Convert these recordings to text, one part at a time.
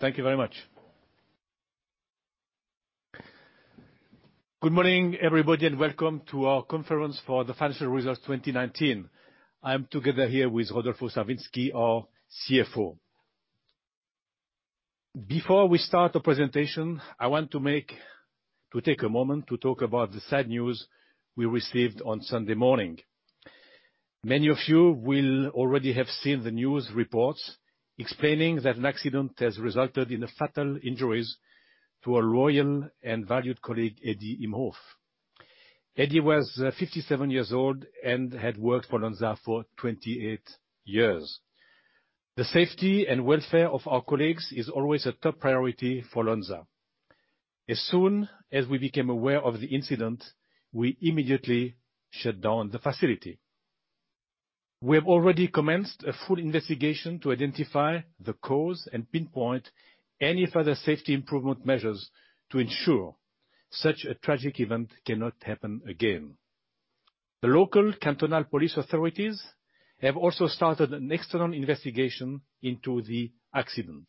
Thank you very much. Good morning, everybody. Welcome to our conference for the financial results 2019. I am together here with Rodolfo Savitzky, our CFO. Before we start the presentation, I want to take a moment to talk about the sad news we received on Sunday morning. Many of you will already have seen the news reports explaining that an accident has resulted in the fatal injuries to our loyal and valued colleague, Eddie Imhof. Eddie was 57 years old and had worked for Lonza for 28 years. The safety and welfare of our colleagues is always a top priority for Lonza. As soon as we became aware of the incident, we immediately shut down the facility. We have already commenced a full investigation to identify the cause and pinpoint any further safety improvement measures to ensure such a tragic event cannot happen again. The local cantonal police authorities have also started an external investigation into the accident.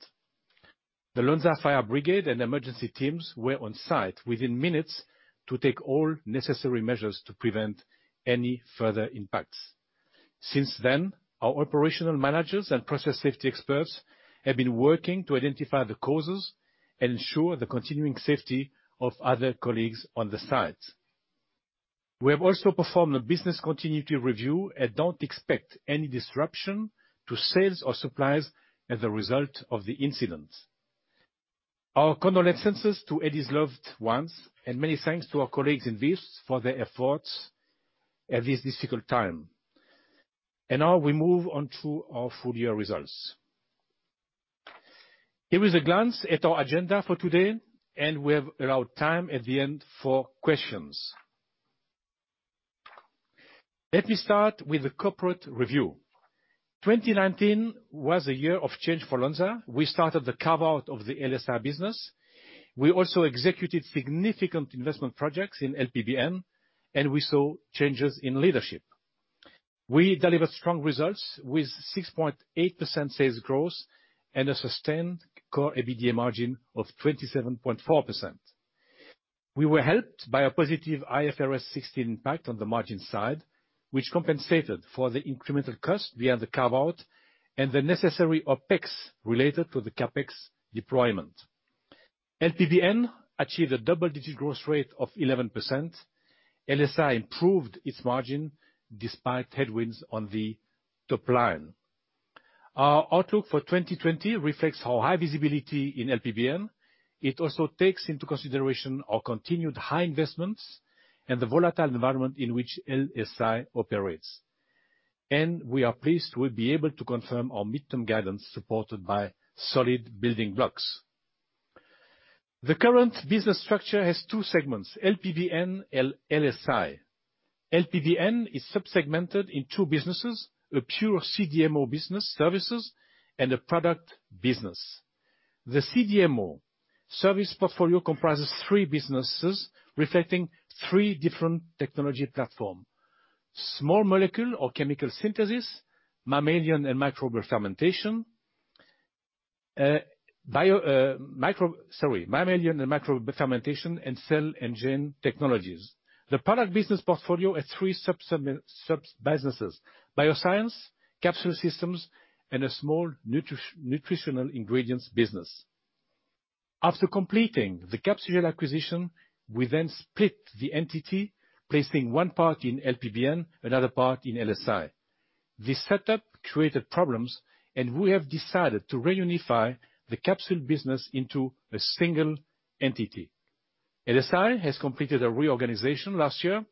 The Lonza fire brigade and emergency teams were on site within minutes to take all necessary measures to prevent any further impacts. Since then, our operational managers and process safety experts have been working to identify the causes and ensure the continuing safety of other colleagues on the site. We have also performed a business continuity review and don't expect any disruption to sales or supplies as a result of the incident. Our condolences to Eddie's loved ones, and many thanks to our colleagues in Visp for their efforts at this difficult time. Now we move on to our full-year results. Here is a glance at our agenda for today, and we have allowed time at the end for questions. Let me start with a corporate review. 2019 was a year of change for Lonza. We started the carve-out of the LSI business. We also executed significant investment projects in LPBN, and we saw changes in leadership. We delivered strong results with 6.8% sales growth and a sustained Core EBITDA margin of 27.4%. We were helped by a positive IFRS 16 impact on the margin side, which compensated for the incremental cost via the carve-out and the necessary OpEx related to the CapEx deployment. LPBN achieved a double-digit growth rate of 11%. LSI improved its margin despite headwinds on the top line. Our outlook for 2020 reflects our high visibility in LPBN. It also takes into consideration our continued high investments and the volatile environment in which LSI operates. We are pleased we'll be able to confirm our midterm guidance supported by solid building blocks. The current business structure has two segments, LPBN and LSI. LPBN is sub-segmented in two businesses, a pure CDMO business, services, and a product business. The CDMO service portfolio comprises three businesses reflecting three different technology platform: small molecule or chemical synthesis, mammalian and microbial fermentation, and cell and gene technologies. The product business portfolio has three sub-businesses: bioscience, capsule systems, and a small nutritional ingredients business. After completing the capsule acquisition, we then split the entity, placing one part in LPBN, another part in LSI. This setup created problems, and we have decided to reunify the capsule business into a single entity. LSI has completed a reorganization last year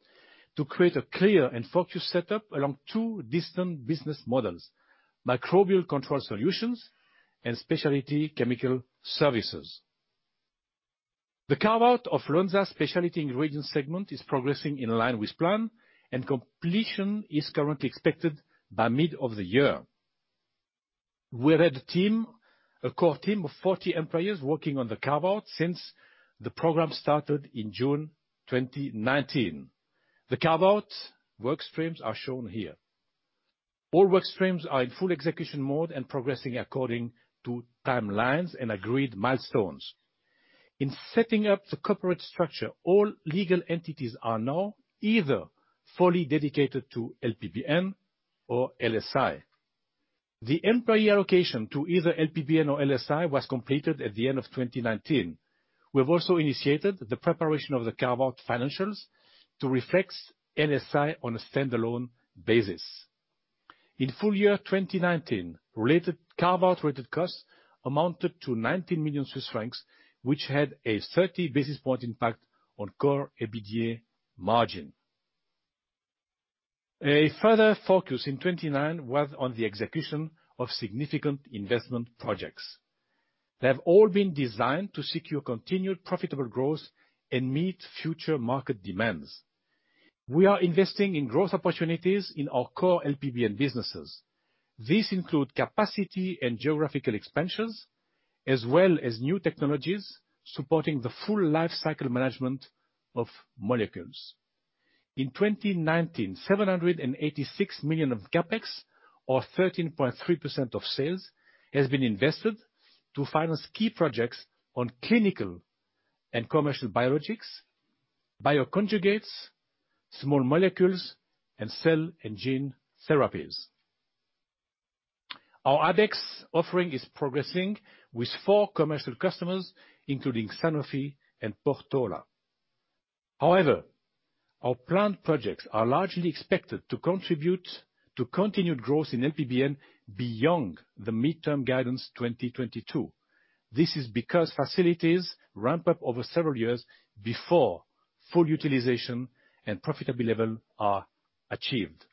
to create a clear and focused setup along two distant business models, microbial control solutions and specialty chemical services. The carve-out of Lonza Specialty Ingredients segment is progressing in line with plan, and completion is currently expected by mid of the year. We had a core team of 40 employees working on the carve-out since the program started in June 2019. The carve-out work streams are shown here. All work streams are in full execution mode and progressing according to timelines and agreed milestones. In setting up the corporate structure, all legal entities are now either fully dedicated to LPBN or LSI. The employee allocation to either LPBN or LSI was completed at the end of 2019. We have also initiated the preparation of the carve-out financials to reflect LSI on a standalone basis. In full year 2019, carve-out related costs amounted to 19 million Swiss francs, which had a 30 basis point impact on Core EBITDA margin. A further focus in 2019 was on the execution of significant investment projects. They have all been designed to secure continued profitable growth and meet future market demands. We are investing in growth opportunities in our core LPBN businesses. These include capacity and geographical expansions, as well as new technologies supporting the full life cycle management of molecules. In 2019, 786 million of CapEx or 13.3% of sales has been invested to finance key projects on clinical and commercial biologics, bioconjugates, small molecules, and cell and gene therapies. Our Ibex offering is progressing with four commercial customers, including Sanofi and Portola. However, our planned projects are largely expected to contribute to continued growth in LPBN beyond the midterm guidance 2022. This is because facilities ramp up over several years before full utilization and profitable level are achieved.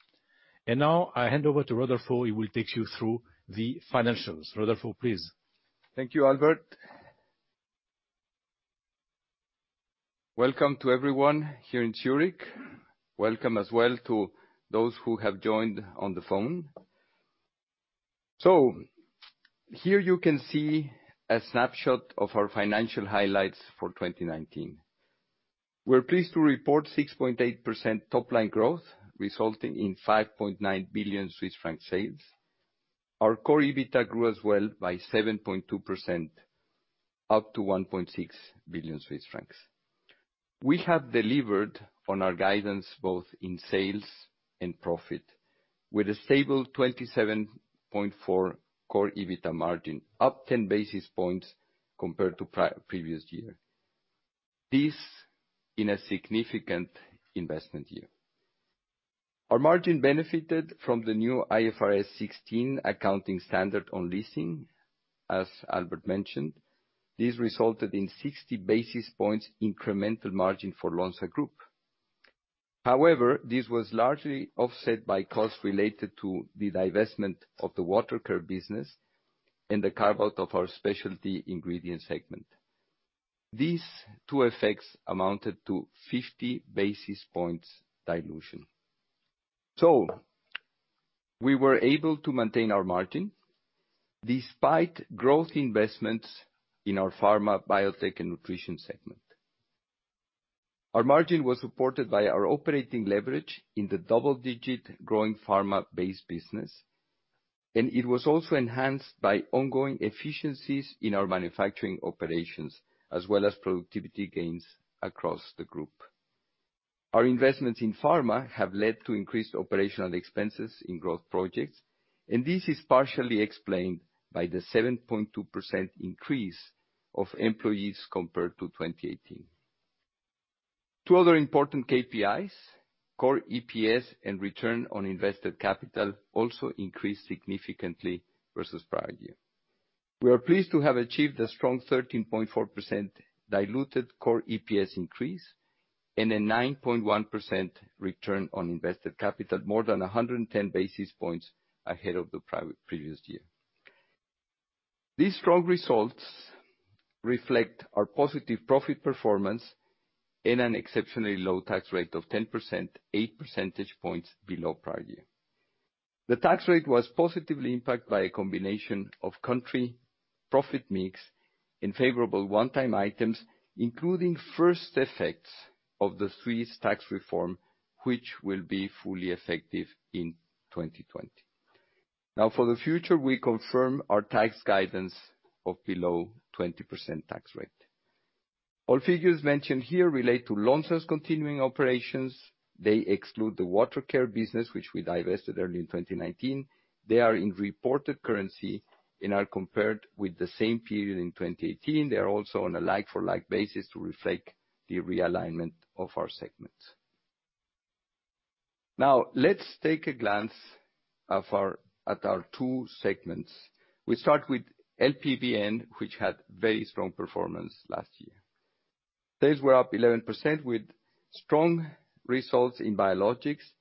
Now I hand over to Rodolfo, who will take you through the financials. Rodolfo, please. Thank you, Albert. Welcome to everyone here in Zurich. Welcome as well to those who have joined on the phone. Here you can see a snapshot of our financial highlights for 2019. We're pleased to report 6.8% top-line growth, resulting in 5.9 billion Swiss franc sales. Our Core EBITDA grew as well by 7.2%, up to 1.6 billion Swiss francs. We have delivered on our guidance both in sales and profit, with a stable 27.4 Core EBITDA margin, up 10 basis points compared to previous year, this in a significant investment year. Our margin benefited from the new IFRS 16 accounting standard on leasing, as Albert mentioned. This resulted in 60 basis points incremental margin for Lonza Group. However, this was largely offset by costs related to the divestment of the Water Care business and the carve-out of our Specialty Ingredients segment. These two effects amounted to 50 basis points dilution. We were able to maintain our margin despite growth investments in our Pharma, Biotech, and Nutrition segment. Our margin was supported by our operating leverage in the double-digit growing pharma-based business, and it was also enhanced by ongoing efficiencies in our manufacturing operations as well as productivity gains across the group. Our investments in pharma have led to increased operational expenses in growth projects, and this is partially explained by the 7.2% increase of employees compared to 2018. Two other important KPIs, core EPS and return on invested capital, also increased significantly versus prior year. We are pleased to have achieved a strong 13.4% diluted core EPS increase and a 9.1% return on invested capital, more than 110 basis points ahead of the previous year. These strong results reflect our positive profit performance in an exceptionally low tax rate of 10%, eight percentage points below prior year. The tax rate was positively impacted by a combination of country profit mix and favorable one-time items, including first effects of the Swiss tax reform, which will be fully effective in 2020. For the future, we confirm our tax guidance of below 20% tax rate. All figures mentioned here relate to Lonza's continuing operations. They exclude the Water Care business, which we divested early in 2019. They are in reported currency and are compared with the same period in 2018. They are also on a like-for-like basis to reflect the realignment of our segments. Let's take a glance at our two segments. We start with LPBN, which had very strong performance last year. Sales were up 11% with strong results in biologics.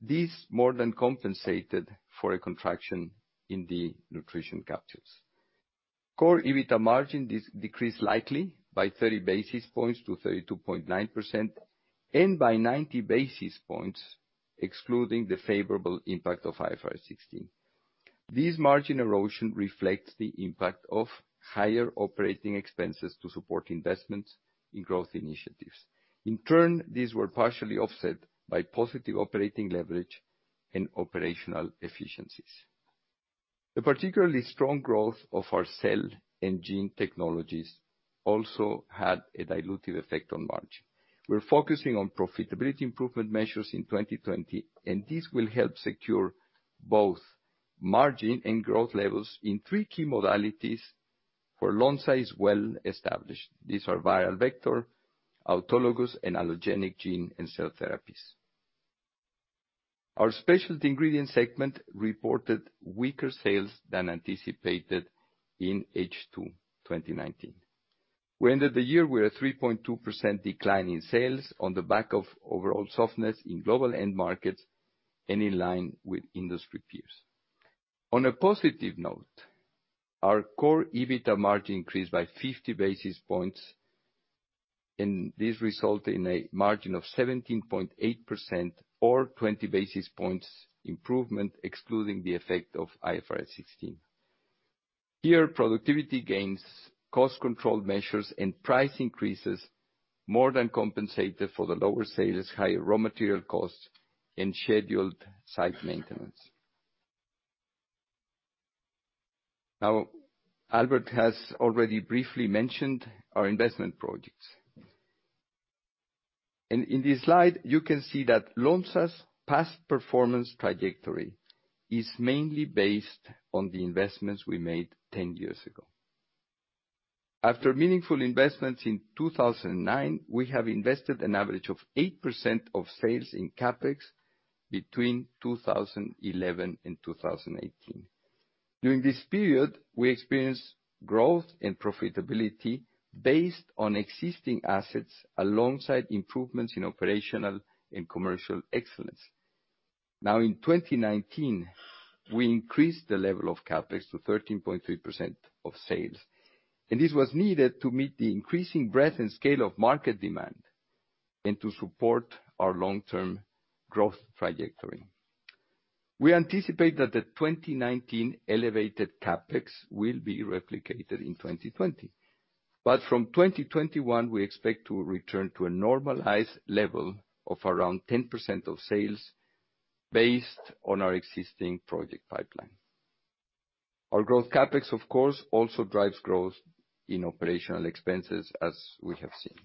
This more than compensated for a contraction in the nutrition capsules. Core EBITDA margin decreased slightly by 30 basis points to 32.9%, and by 90 basis points excluding the favorable impact of IFRS 16. This margin erosion reflects the impact of higher operating expenses to support investments in growth initiatives. In turn, these were partially offset by positive operating leverage and operational efficiencies. The particularly strong growth of our cell and gene technologies also had a dilutive effect on margin. We're focusing on profitability improvement measures in 2020, and this will help secure both margin and growth levels in three key modalities where Lonza is well established. These are viral vector, autologous and allogeneic gene and cell therapies. Our specialty ingredient segment reported weaker sales than anticipated in H2 2019. We ended the year with a 3.2% decline in sales on the back of overall softness in global end markets and in line with industry peers. On a positive note, our Core EBITDA margin increased by 50 basis points. This result in a margin of 17.8% or 20 basis points improvement excluding the effect of IFRS 16. Here, productivity gains, cost control measures, and price increases more than compensated for the lower sales, higher raw material costs, and scheduled site maintenance. Albert has already briefly mentioned our investment projects. In this slide, you can see that Lonza's past performance trajectory is mainly based on the investments we made 10 years ago. After meaningful investments in 2009, we have invested an average of 8% of sales in CapEx between 2011 and 2018. During this period, we experienced growth and profitability based on existing assets alongside improvements in operational and commercial excellence. In 2019, we increased the level of CapEx to 13.3% of sales, and this was needed to meet the increasing breadth and scale of market demand, and to support our long-term growth trajectory. We anticipate that the 2019 elevated CapEx will be replicated in 2020. From 2021, we expect to return to a normalized level of around 10% of sales based on our existing project pipeline. Our growth CapEx, of course, also drives growth in operational expenses, as we have seen.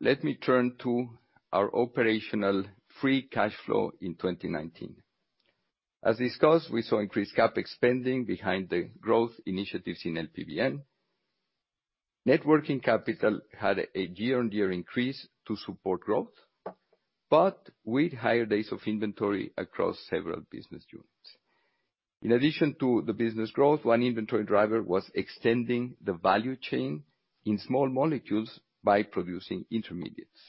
Let me turn to our operational free cash flow in 2019. As discussed, we saw increased CapEx spending behind the growth initiatives in LPBN. Net working capital had a year-on-year increase to support growth, but with higher days of inventory across several business units. In addition to the business growth, one inventory driver was extending the value chain in small molecules by producing intermediates.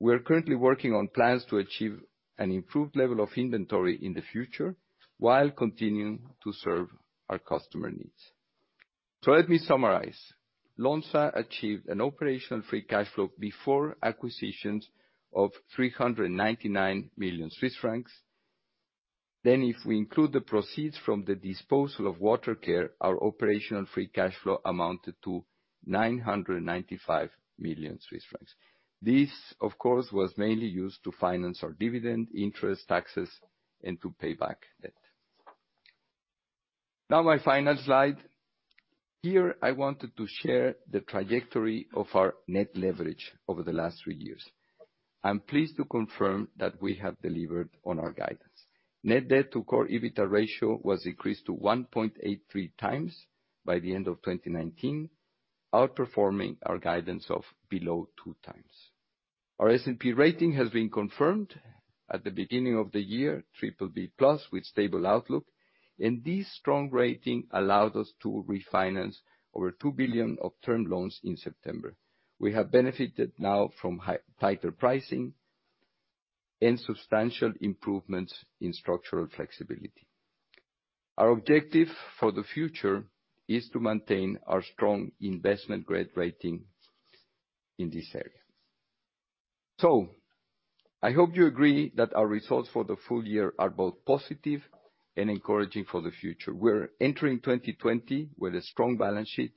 We are currently working on plans to achieve an improved level of inventory in the future while continuing to serve our customer needs. Let me summarize. Lonza achieved an operational free cash flow before acquisitions of 399 million Swiss francs. If we include the proceeds from the disposal of Water Care, our operational free cash flow amounted to 995 million Swiss francs. This, of course, was mainly used to finance our dividend, interest, taxes, and to pay back debt. Now my final slide. Here, I wanted to share the trajectory of our net leverage over the last three years. I'm pleased to confirm that we have delivered on our guidance. Net debt to Core EBITDA ratio was increased to 1.83x by the end of 2019, outperforming our guidance of below 2x. Our S&P rating has been confirmed at the beginning of the year, BBB+ with stable outlook. This strong rating allowed us to refinance over 2 billion of term loans in September. We have benefited now from tighter pricing and substantial improvements in structural flexibility. Our objective for the future is to maintain our strong investment-grade rating in this area. I hope you agree that our results for the full year are both positive and encouraging for the future. We're entering 2020 with a strong balance sheet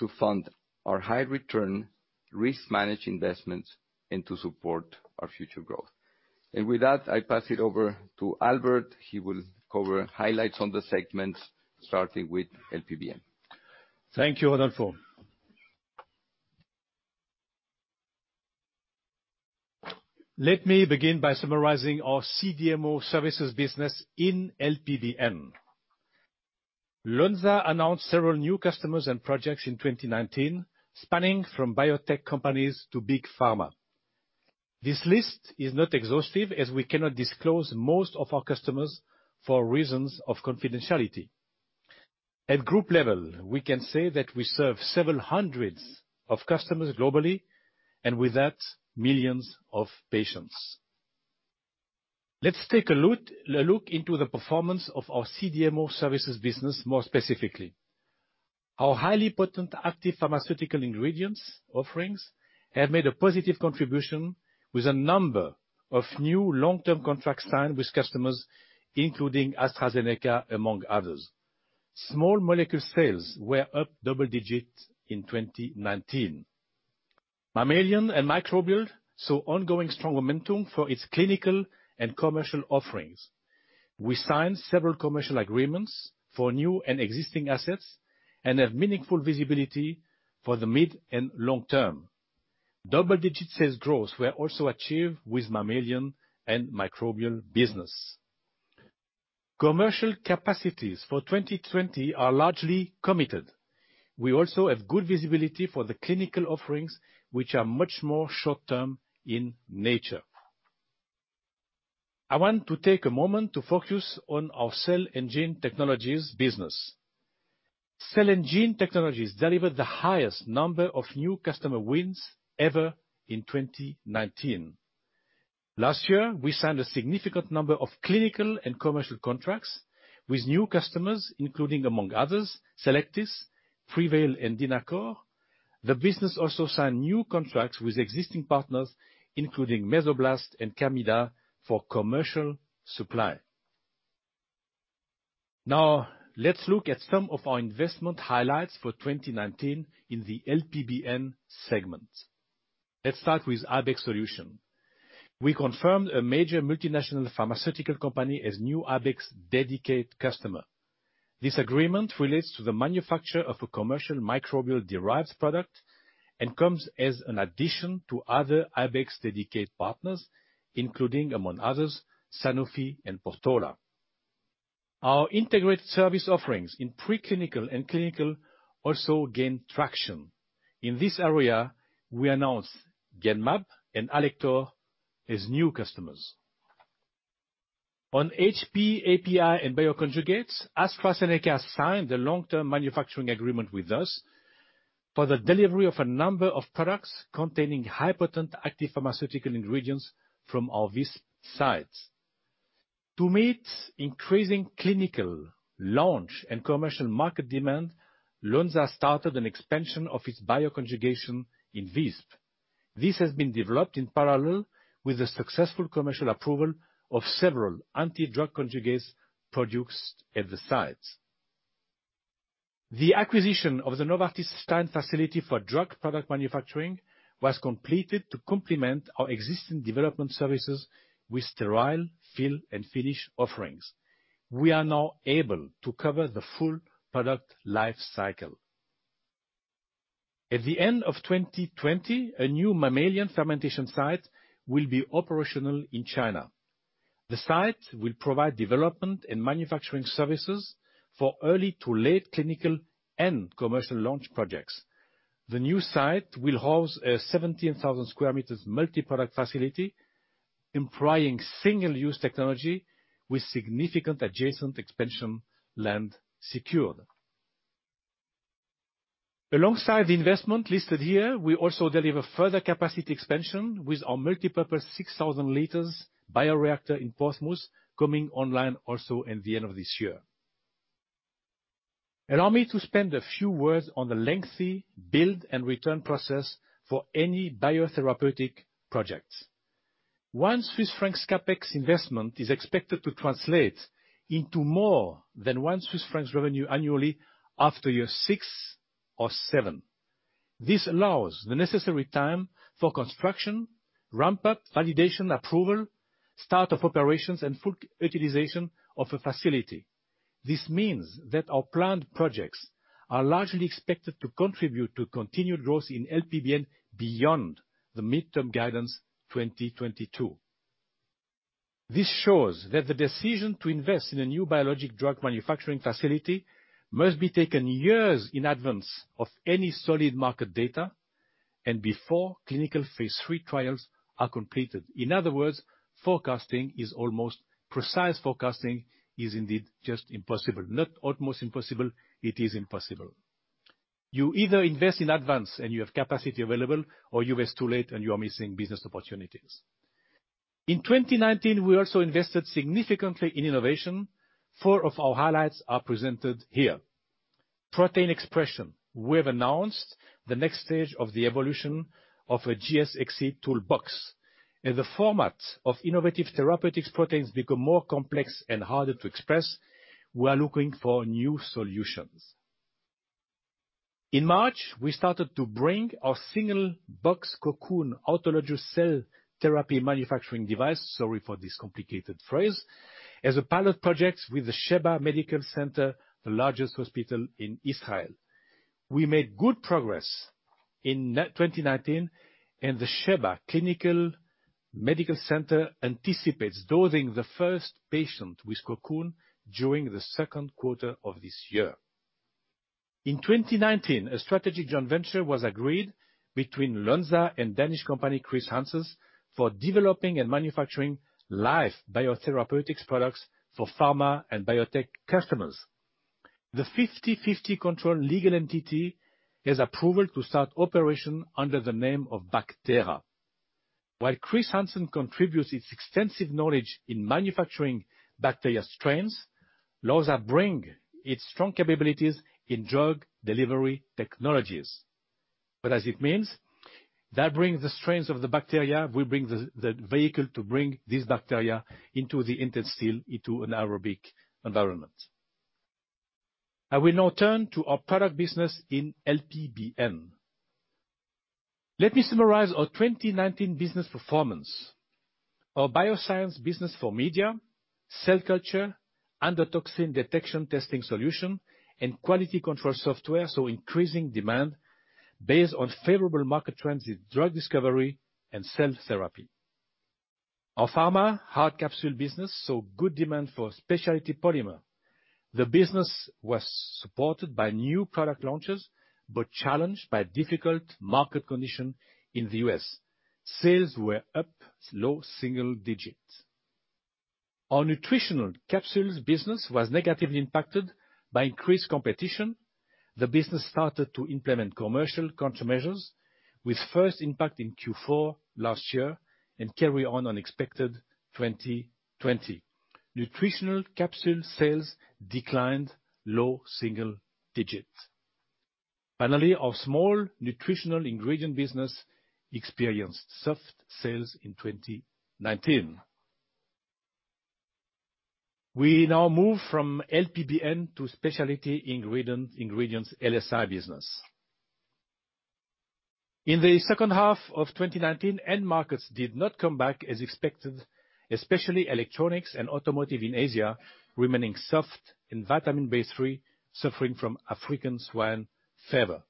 to fund our high return, risk-managed investments, and to support our future growth. With that, I pass it over to Albert. He will cover highlights on the segments, starting with LPBN. Thank you, Rodolfo. Let me begin by summarizing our CDMO services business in LPBN. Lonza announced several new customers and projects in 2019, spanning from biotech companies to big pharma. This list is not exhaustive, as we cannot disclose most of our customers for reasons of confidentiality. At group level, we can say that we serve several hundreds of customers globally, and with that, millions of patients. Let's take a look into the performance of our CDMO services business more specifically. Our Highly Potent Active Pharmaceutical Ingredient offerings have made a positive contribution with a number of new long-term contracts signed with customers, including AstraZeneca, among others. Small molecule sales were up double digits in 2019. Mammalian and microbial saw ongoing strong momentum for its clinical and commercial offerings. We signed several commercial agreements for new and existing assets, and have meaningful visibility for the mid and long term. Double-digit sales growth were also achieved with mammalian and microbial business. Commercial capacities for 2020 are largely committed. We also have good visibility for the clinical offerings, which are much more short-term in nature. I want to take a moment to focus on our cell and gene technologies business. Cell and gene technologies delivered the highest number of new customer wins ever in 2019. Last year, we signed a significant number of clinical and commercial contracts with new customers, including, among others, Selecta, Prevail, and Dynacure. The business also signed new contracts with existing partners, including Mesoblast and Gamida for commercial supply. Let's look at some of our investment highlights for 2019 in the LPBN segment. Let's start with Ibex Solutions. We confirmed a major multinational pharmaceutical company as new Ibex dedicated customer. This agreement relates to the manufacture of a commercial microbial-derived product, and comes as an addition to other Ibex dedicated partners, including, among others, Sanofi and Portola. Our integrated service offerings in preclinical and clinical also gained traction. In this area, we announced Genmab and Alector as new customers. On HPAPI and Bioconjugates, AstraZeneca signed a long-term manufacturing agreement with us for the delivery of a number of products containing high-potent active pharmaceutical ingredients from our Visp sites. To meet increasing clinical launch and commercial market demand, Lonza started an expansion of its bioconjugation in Visp. This has been developed in parallel with the successful commercial approval of several antibody-drug conjugates produced at the sites. The acquisition of the Novartis Stein facility for drug product manufacturing was completed to complement our existing development services with sterile fill and finish offerings. We are now able to cover the full product life cycle. At the end of 2020, a new mammalian fermentation site will be operational in China. The site will provide development and manufacturing services for early to late clinical and commercial launch projects. The new site will house a 17,000 sq m multi-product facility employing single-use technology with significant adjacent expansion land secured. Alongside the investment listed here, we also deliver further capacity expansion with our multi-purpose 6,000 L bioreactor in Porriño coming online also in the end of this year. Allow me to spend a few words on the lengthy build and return process for any biotherapeutic project. 1 Swiss francs CapEx investment is expected to translate into more than 1 Swiss franc revenue annually after year six or seven. This allows the necessary time for construction, ramp-up, validation, approval, start of operations, and full utilization of a facility. This means that our planned projects are largely expected to contribute to continued growth in LPBN beyond the midterm guidance 2022. This shows that the decision to invest in a new biologic drug manufacturing facility must be taken years in advance of any solid market data and before clinical phase III trials are completed. In other words, precise forecasting is indeed just impossible. Not almost impossible, it is impossible. You either invest in advance and you have capacity available, or you invest too late and you are missing business opportunities. In 2019, we also invested significantly in innovation. Four of our highlights are presented here. Protein expression. We have announced the next stage of the evolution of a GSX toolbox. As the format of innovative therapeutics proteins become more complex and harder to express, we are looking for new solutions. In March, we started to bring our single-box Cocoon autologous cell therapy manufacturing device, sorry for this complicated phrase, as a pilot project with the Sheba Medical Center, the largest hospital in Israel. We made good progress in 2019. The Sheba Medical Center anticipates dosing the first patient with Cocoon during the second quarter of this year. In 2019, a strategic joint venture was agreed between Lonza and Danish company, Chr. Hansen, for developing and manufacturing live biotherapeutics products for pharma and biotech customers. The 50/50 control legal entity has approval to start operation under the name of Bacthera. While Chr. Hansen contributes its extensive knowledge in manufacturing bacteria strains, Lonza bring its strong capabilities in drug delivery technologies. As it means, that brings the strains of the bacteria, we bring the vehicle to bring this bacteria into the intestine into an aerobic environment. I will now turn to our product business in LPBN. Let me summarize our 2019 business performance. Our bioscience business for media, cell culture, and the toxin detection testing solution, and quality control software, saw increasing demand based on favorable market trends in drug discovery and cell therapy. Our pharma hard capsule business saw good demand for specialty polymer. The business was supported by new product launches, challenged by difficult market condition in the U.S. Sales were up low single digits. Our nutritional capsules business was negatively impacted by increased competition. The business started to implement commercial countermeasures with first impact in Q4 last year and carry on expected 2020. Nutritional capsule sales declined low single digits. Our small nutritional ingredient business experienced soft sales in 2019. We now move from LPBN to specialty ingredients LSI business. In the second half of 2019, end markets did not come back as expected, especially electronics and automotive in Asia remaining soft, and vitamin B3 suffering from African swine fever.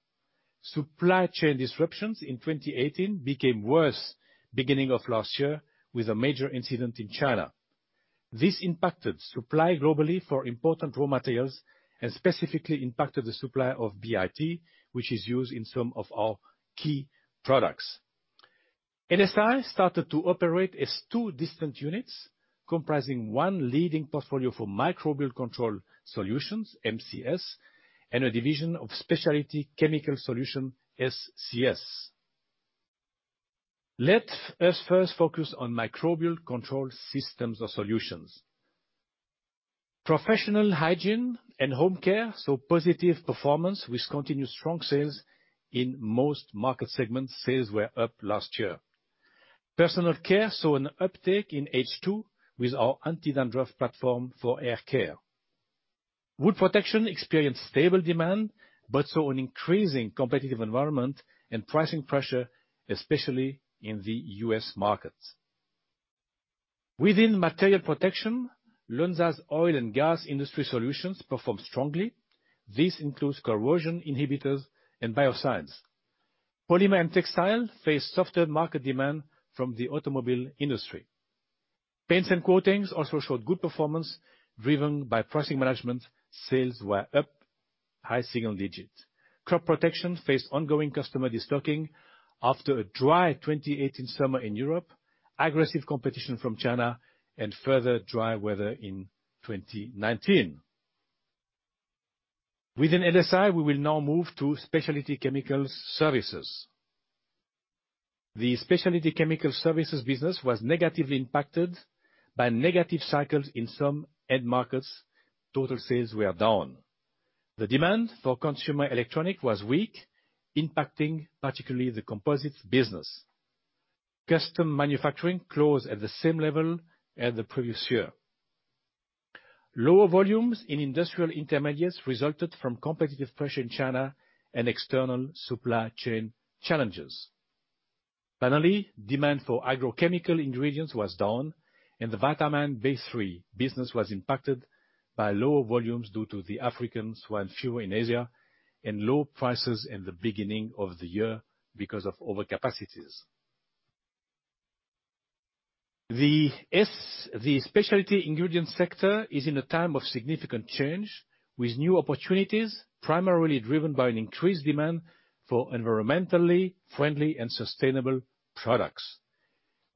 Supply chain disruptions in 2018 became worse beginning of last year with a major incident in China. This impacted supply globally for important raw materials and specifically impacted the supply of BIT, which is used in some of our key products. LSI started to operate as two distant units, comprising one leading portfolio for microbial control solutions, MCS, and a division of specialty chemical solution, SCS. Let us first focus on microbial control systems or solutions. Professional hygiene and home care saw positive performance with continued strong sales in most market segments. Sales were up last year. Personal care saw an uptick in H2 with our anti-dandruff platform for hair care. Wood protection experienced stable demand, saw an increasing competitive environment and pricing pressure, especially in the U.S. market. Within material protection, Lonza's oil and gas industry solutions performed strongly. This includes corrosion inhibitors and biocides. Polymer and textile face softer market demand from the automobile industry. Paints and coatings also showed good performance driven by pricing management. Sales were up high single digits. Crop protection faced ongoing customer destocking after a dry 2018 summer in Europe, aggressive competition from China, and further dry weather in 2019. Within LSI, we will now move to specialty chemicals services. The specialty chemical services business was negatively impacted by negative cycles in some end markets. Total sales were down. The demand for consumer electronics was weak, impacting particularly the composite business. Custom manufacturing closed at the same level as the previous year. Lower volumes in industrial intermediates resulted from competitive pressure in China and external supply chain challenges. Finally, demand for agrochemical ingredients was down, and the vitamin B3 business was impacted by lower volumes due to the African swine fever in Asia and low prices in the beginning of the year because of overcapacities. The specialty ingredients sector is in a time of significant change, with new opportunities primarily driven by an increased demand for environmentally friendly and sustainable products.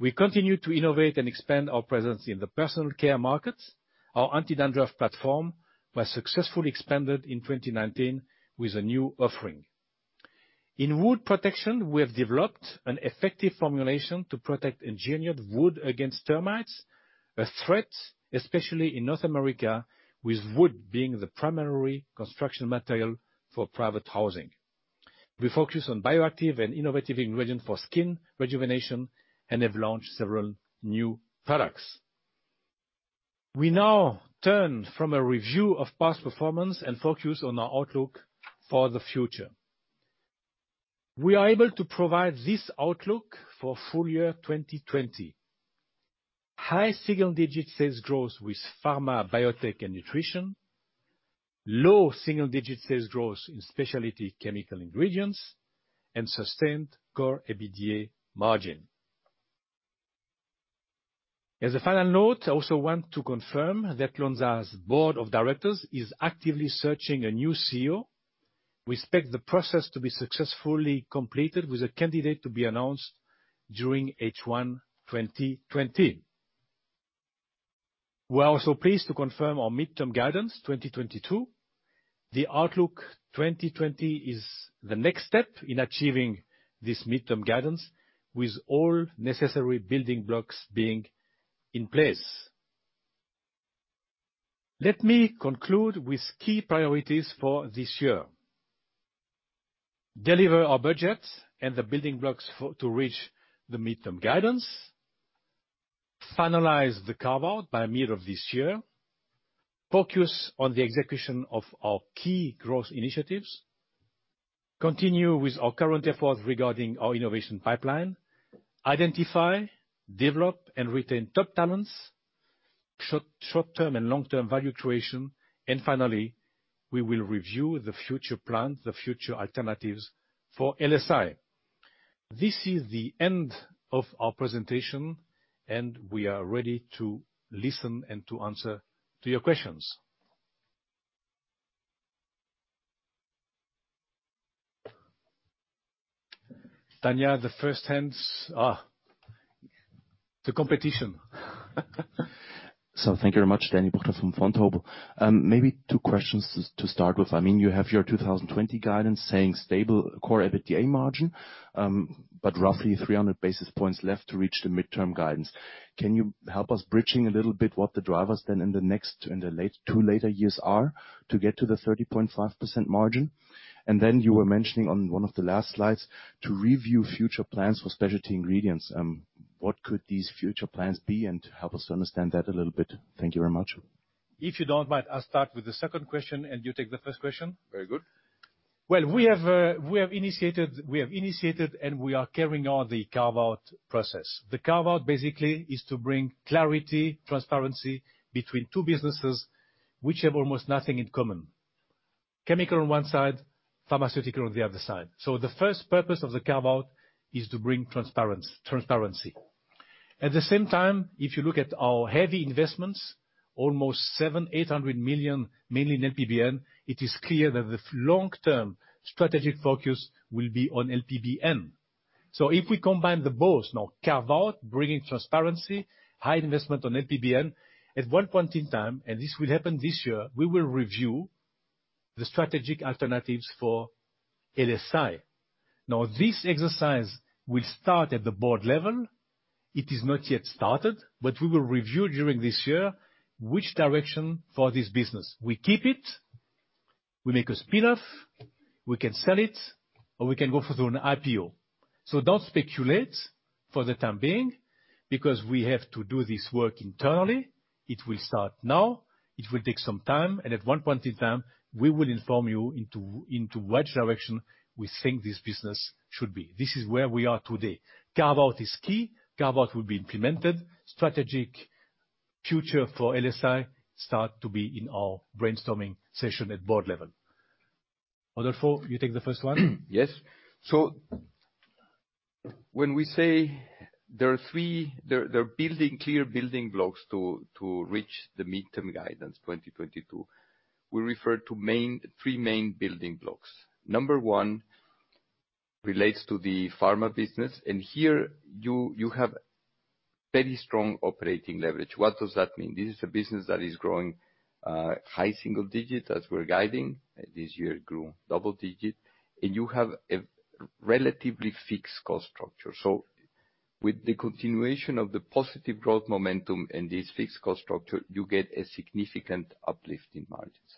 We continue to innovate and expand our presence in the personal care market. Our anti-dandruff platform was successfully expanded in 2019 with a new offering. In wood protection, we have developed an effective formulation to protect engineered wood against termites, a threat, especially in North America, with wood being the primary construction material for private housing. We focus on bioactive and innovative ingredient for skin rejuvenation and have launched several new products. We now turn from a review of past performance and focus on our outlook for the future. We are able to provide this outlook for full year 2020. High single-digit sales growth with Pharma, Biotech, and Nutrition, low single-digit sales growth in Specialty Chemical Ingredients, and sustained Core EBITDA margin. As a final note, I also want to confirm that Lonza's board of directors is actively searching a new CEO. We expect the process to be successfully completed with a candidate to be announced during H1 2020. We are also pleased to confirm our midterm guidance 2022. The outlook 2020 is the next step in achieving this midterm guidance, with all necessary building blocks being in place. Let me conclude with key priorities for this year. Deliver our budget and the building blocks to reach the midterm guidance. Finalize the carve-out by middle of this year. Focus on the execution of our key growth initiatives. Continue with our current effort regarding our innovation pipeline. Identify, develop, and retain top talents. Short-term and long-term value creation. Finally, we will review the future plans, the future alternatives for LSI. This is the end of our presentation, and we are ready to listen and to answer to your questions. Tanya, the first hands. The competition. Thank you very much, Daniel Buchta from Vontobel. Maybe two questions to start with. You have your 2020 guidance saying stable Core EBITDA margin, but roughly 300 basis points left to reach the midterm guidance. Can you help us bridging a little bit what the drivers then in the next, in the two later years are to get to the 30.5% margin? Then you were mentioning on one of the last slides to review future plans for Specialty Ingredients. What could these future plans be, and help us understand that a little bit. Thank you very much. If you don't mind, I'll start with the second question, and you take the first question. Very good. Well, we have initiated and we are carrying out the carve-out process. The carve-out basically is to bring clarity, transparency between two businesses which have almost nothing in common. Chemical on one side, pharmaceutical on the other side. The first purpose of the carve-out is to bring transparency. At the same time, if you look at our heavy investments, almost 700 million, 800 million, mainly in LPBN, it is clear that the long-term strategic focus will be on LPBN. If we combine the both, now carve-out, bringing transparency, high investment on LPBN, at one point in time, and this will happen this year, we will review the strategic alternatives for LSI. Now, this exercise will start at the board level. It is not yet started, but we will review during this year which direction for this business. We keep it, we make a spin-off, we can sell it, or we can go for an IPO. Don't speculate for the time being because we have to do this work internally. It will start now. It will take some time, and at one point in time, we will inform you into which direction we think this business should be. This is where we are today. Carve-out is key. Carve-out will be implemented. Strategic future for LSI start to be in our brainstorming session at board level. Rodolfo, you take the first one. Yes. When we say there are clear building blocks to reach the midterm guidance 2022, we refer to three main building blocks. Number one relates to the pharma business, and here you have very strong operating leverage. What does that mean? This is a business that is growing high single-digits as we're guiding. This year, it grew double-digits. You have a relatively fixed cost structure. With the continuation of the positive growth momentum and this fixed cost structure, you get a significant uplift in margins.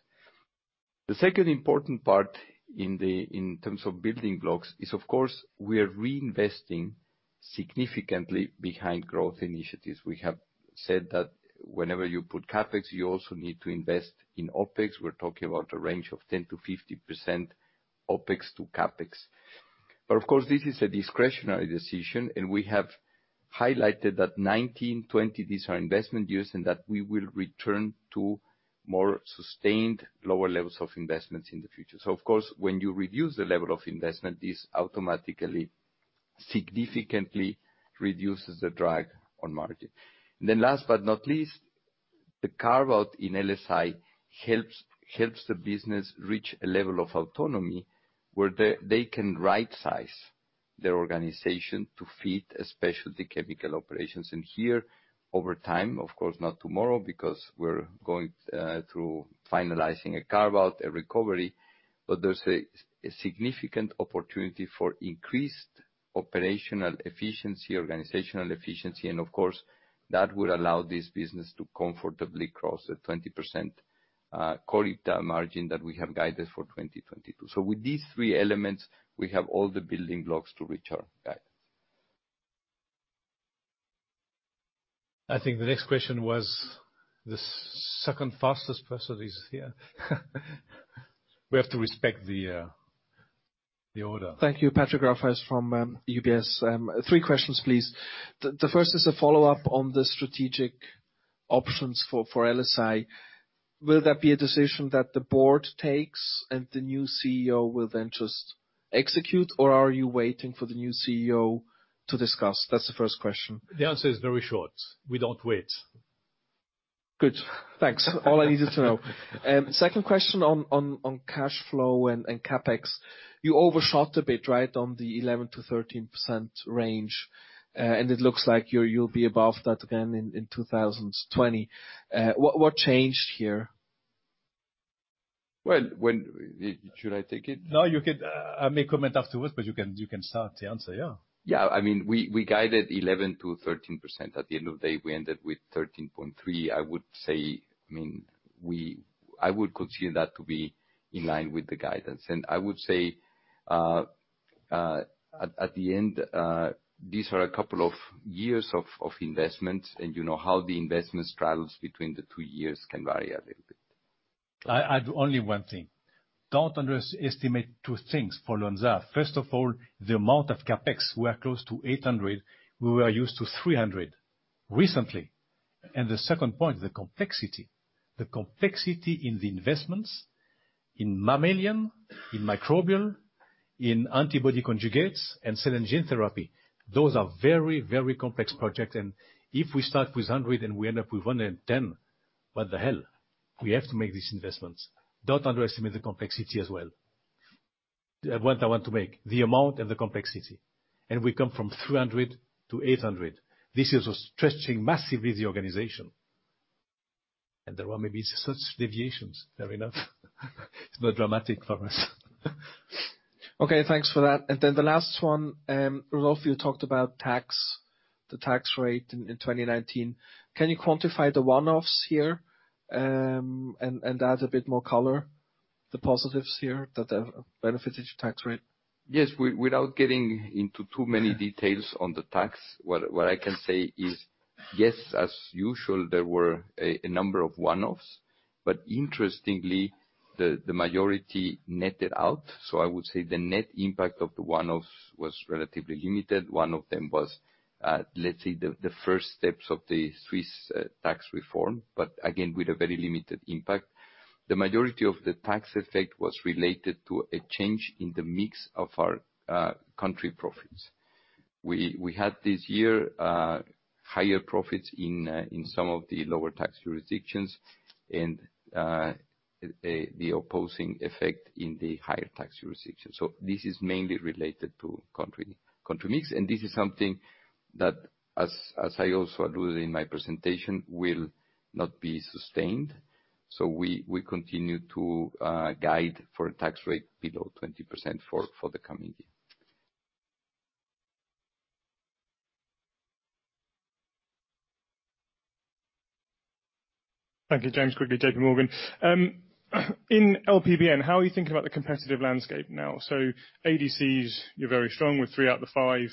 The second important part in terms of building blocks is, of course, we are reinvesting significantly behind growth initiatives. We have said that whenever you put CapEx, you also need to invest in OpEx. We're talking about a range of 10%-50% OpEx to CapEx. Of course, this is a discretionary decision, and we have highlighted that 2019, 2020, these are investment years, and that we will return to more sustained lower levels of investments in the future. Of course, when you reduce the level of investment, this automatically significantly reduces the drag on margin. Last but not least, the carve-out in LSI helps the business reach a level of autonomy where they can right-size their organization to fit a specialty chemical operations. Here, over time, of course, not tomorrow because we're going through finalizing a carve-out, a recovery, but there's a significant opportunity for increased operational efficiency, organizational efficiency, and of course, that would allow this business to comfortably cross the 20% Core EBITDA margin that we have guided for 2022. With these three elements, we have all the building blocks to reach our guidance. I think the next question was the second fastest person is here. We have to respect the order. Thank you. Patrick Rafaisz is from UBS. Three questions, please. The first is a follow-up on the strategic options for LSI. Will that be a decision that the board takes and the new CEO will then just execute, or are you waiting for the new CEO to discuss? That's the first question. The answer is very short. We don't wait. Good. Thanks. All I needed to know. Second question on cash flow and CapEx. You overshot a bit on the 11%-13% range, and it looks like you'll be above that again in 2020. What changed here? Well, when should I take it? You can. I may comment afterwards, but you can start to answer. Yeah. Yeah, we guided 11%-13%. At the end of the day, we ended with 13.3%. I would consider that to be in line with the guidance. I would say, at the end, these are a couple of years of investments, and you know how the investments travel between the two years can vary a little bit. I'll add only one thing. Don't underestimate two things for Lonza. First of all, the amount of CapEx, we are close to 800 million. We were used to 300 million recently. The second point, the complexity. The complexity in the investments in mammalian, in microbial, in antibody conjugates, and cell and gene therapy. Those are very complex projects, and if we start with 100 million and we end up with 110 million, what the hell? We have to make these investments. Don't underestimate the complexity as well. The point I want to make, the amount and the complexity. We come from 300 million-800 million. This is stretching massively, the organization. There are maybe such deviations, fair enough. It's not dramatic for us. Okay, thanks for that. The last one, Rolf, you talked about tax, the tax rate in 2019. Can you quantify the one-offs here, and add a bit more color, the positives here that have benefited your tax rate? Yes. Without getting into too many details on the tax, what I can say is, yes, as usual, there were a number of one-offs. Interestingly, the majority netted out. I would say the net impact of the one-offs was relatively limited. One of them was, let's say, the first steps of the Swiss tax reform, but again, with a very limited impact. The majority of the tax effect was related to a change in the mix of our country profits. We had this year, higher profits in some of the lower tax jurisdictions, and the opposing effect in the higher tax jurisdiction. This is mainly related to country mix, and this is something that, as I also alluded in my presentation, will not be sustained. We continue to guide for a tax rate below 20% for the coming year. Thank you. James Quigley, JPMorgan. In LPBN, how are you thinking about the competitive landscape now? ADCs, you're very strong with three out of the five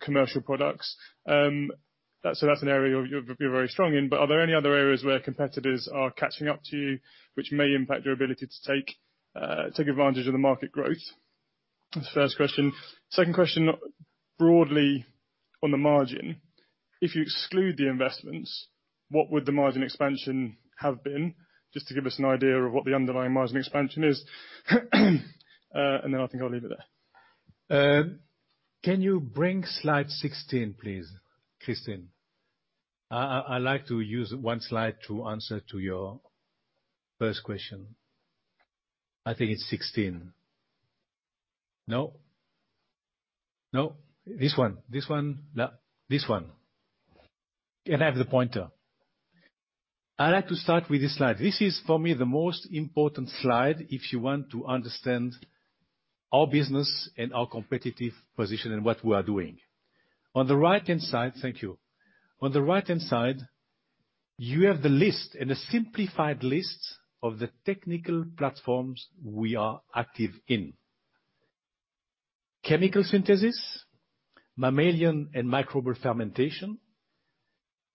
commercial products. That's an area you're very strong in, but are there any other areas where competitors are catching up to you, which may impact your ability to take advantage of the market growth? That's the first question. Second question, broadly on the margin. If you exclude the investments, what would the margin expansion have been? Just to give us an idea of what the underlying margin expansion is. Then I think I'll leave it there. Can you bring slide 16, please, Christine? I like to use one slide to answer to your first question. I think it's 16. No. This one. No, this one. Can I have the pointer? I like to start with this slide. This is, for me, the most important slide if you want to understand our business and our competitive position and what we are doing. On the right-hand side Thank you. On the right-hand side, you have the list, and a simplified list, of the technical platforms we are active in. Chemical synthesis, mammalian and microbial fermentation,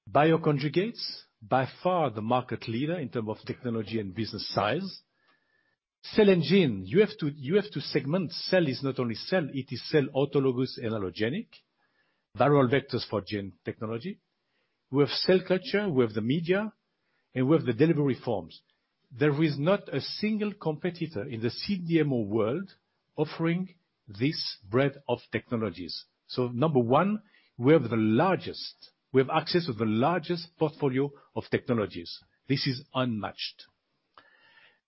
bioconjugates, by far the market leader in terms of technology and business size. Cell and gene, you have to segment. Cell is not only cell, it is cell autologous and allogeneic, viral vectors for gene technology. We have cell culture, we have the media, and we have the delivery forms. There is not a single competitor in the CDMO world offering this breadth of technologies. Number one, we have access to the largest portfolio of technologies. This is unmatched.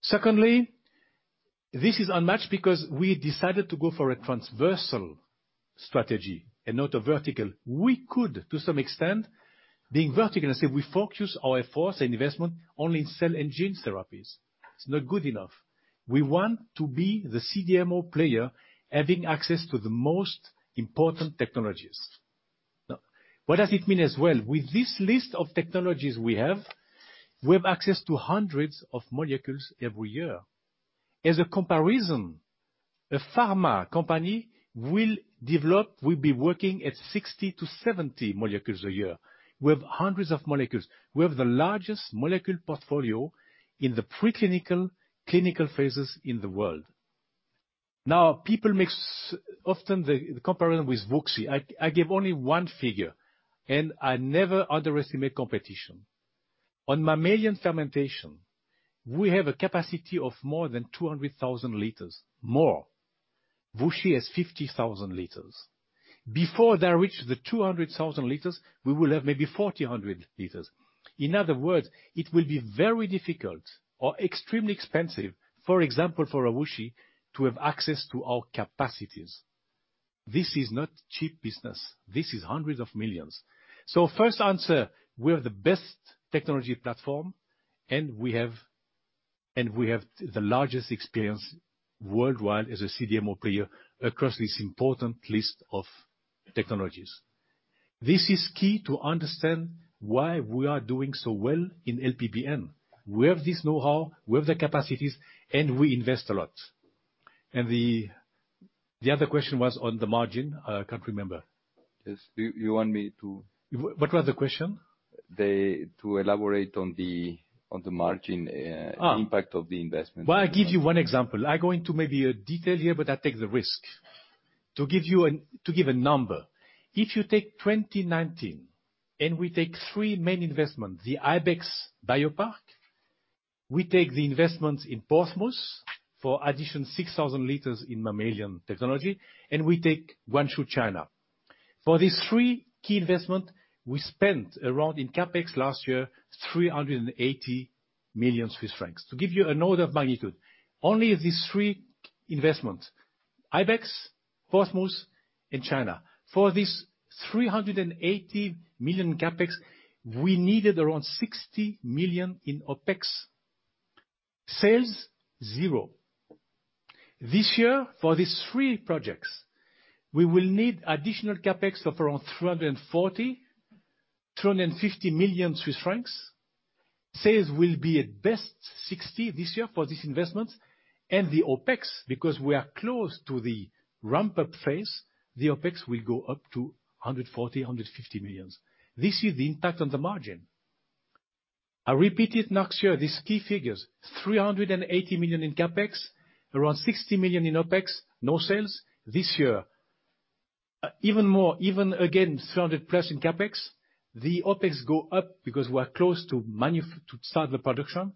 Secondly, this is unmatched because we decided to go for a transversal strategy and not a vertical. We could, to some extent, being vertical and say we focus our efforts and investment only in cell and gene therapies. It's not good enough. We want to be the CDMO player, having access to the most important technologies. What does it mean as well? With this list of technologies we have, we have access to hundreds of molecules every year. As a comparison, a pharma company will be working at 60-70 molecules a year. We have hundreds of molecules. We have the largest molecule portfolio in the preclinical, clinical phases in the world. People mix often the comparison with WuXi. I give only one figure, and I never underestimate competition. On mammalian fermentation, we have a capacity of more than 200,000 L. More. WuXi has 50,000 L. Before they reach the 200,000 L, we will have maybe 40,000 L. In other words, it will be very difficult or extremely expensive, for example, for WuXi, to have access to our capacities. This is not cheap business. This is hundreds of millions CHF. First answer, we are the best technology platform, and we have the largest experience worldwide as a CDMO player across this important list of technologies. This is key to understand why we are doing so well in LPBN. We have this knowhow, we have the capacities, and we invest a lot. The other question was on the margin. I can't remember. Yes. You want me to. What was the question? To elaborate on the margin impact of the investment. Well, I give you one example. I go into maybe a detail here, but I take the risk. To give a number. If you take 2019, and we take three main investments, the Ibex Biopark, we take the investments in Portsmouth for addition 6,000 L in mammalian technology, and we take Guangzhou, China. For these three key investments, we spent around, in CapEx last year, 380 million Swiss francs. To give you an order of magnitude, only these three investments, Ibex, Portsmouth, and China. For this 380 million CapEx, we needed around 60 million in OpEx. Sales, zero. This year, for these three projects, we will need additional CapEx of around 340 million-350 million Swiss francs. Sales will be at best 60 million this year for this investment. The OpEx, because we are close to the ramp-up phase, the OpEx will go up to 140 million-150 million. This is the impact on the margin. I repeat it next year, these key figures, 380 million in CapEx, around 60 million in OpEx, no sales this year. Even more, even again, 300+ million in CapEx. The OpEx go up because we are close to start the production,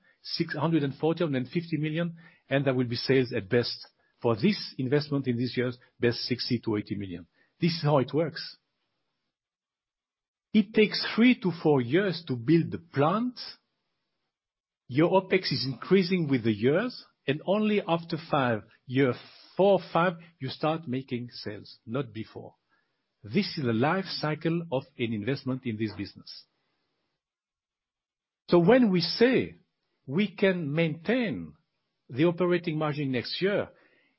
140 million-150 million, and there will be sales at best for this investment in this year, best 60 million-80 million. This is how it works. It takes three to four years to build the plant. Your OpEx is increasing with the years, only after year four, five, you start making sales, not before. This is a life cycle of an investment in this business. When we say we can maintain the operating margin next year,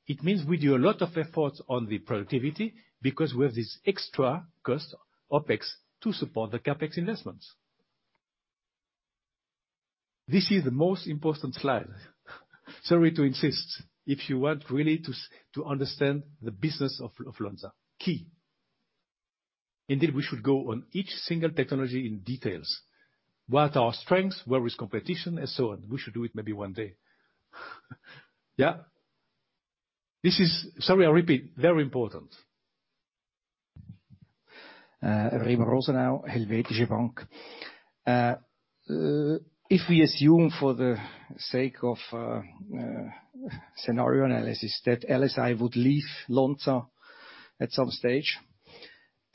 it means we do a lot of efforts on the productivity because we have this extra cost, OpEx, to support the CapEx investments. This is the most important slide. Sorry to insist. If you want really to understand the business of Lonza, key. We should go on each single technology in details. What are our strengths, where is competition, and so on. We should do it maybe one day. Yeah. Sorry I repeat, very important. Remo Rosenau, Helvetische Bank. If we assume for the sake of scenario analysis that LSI would leave Lonza at some stage,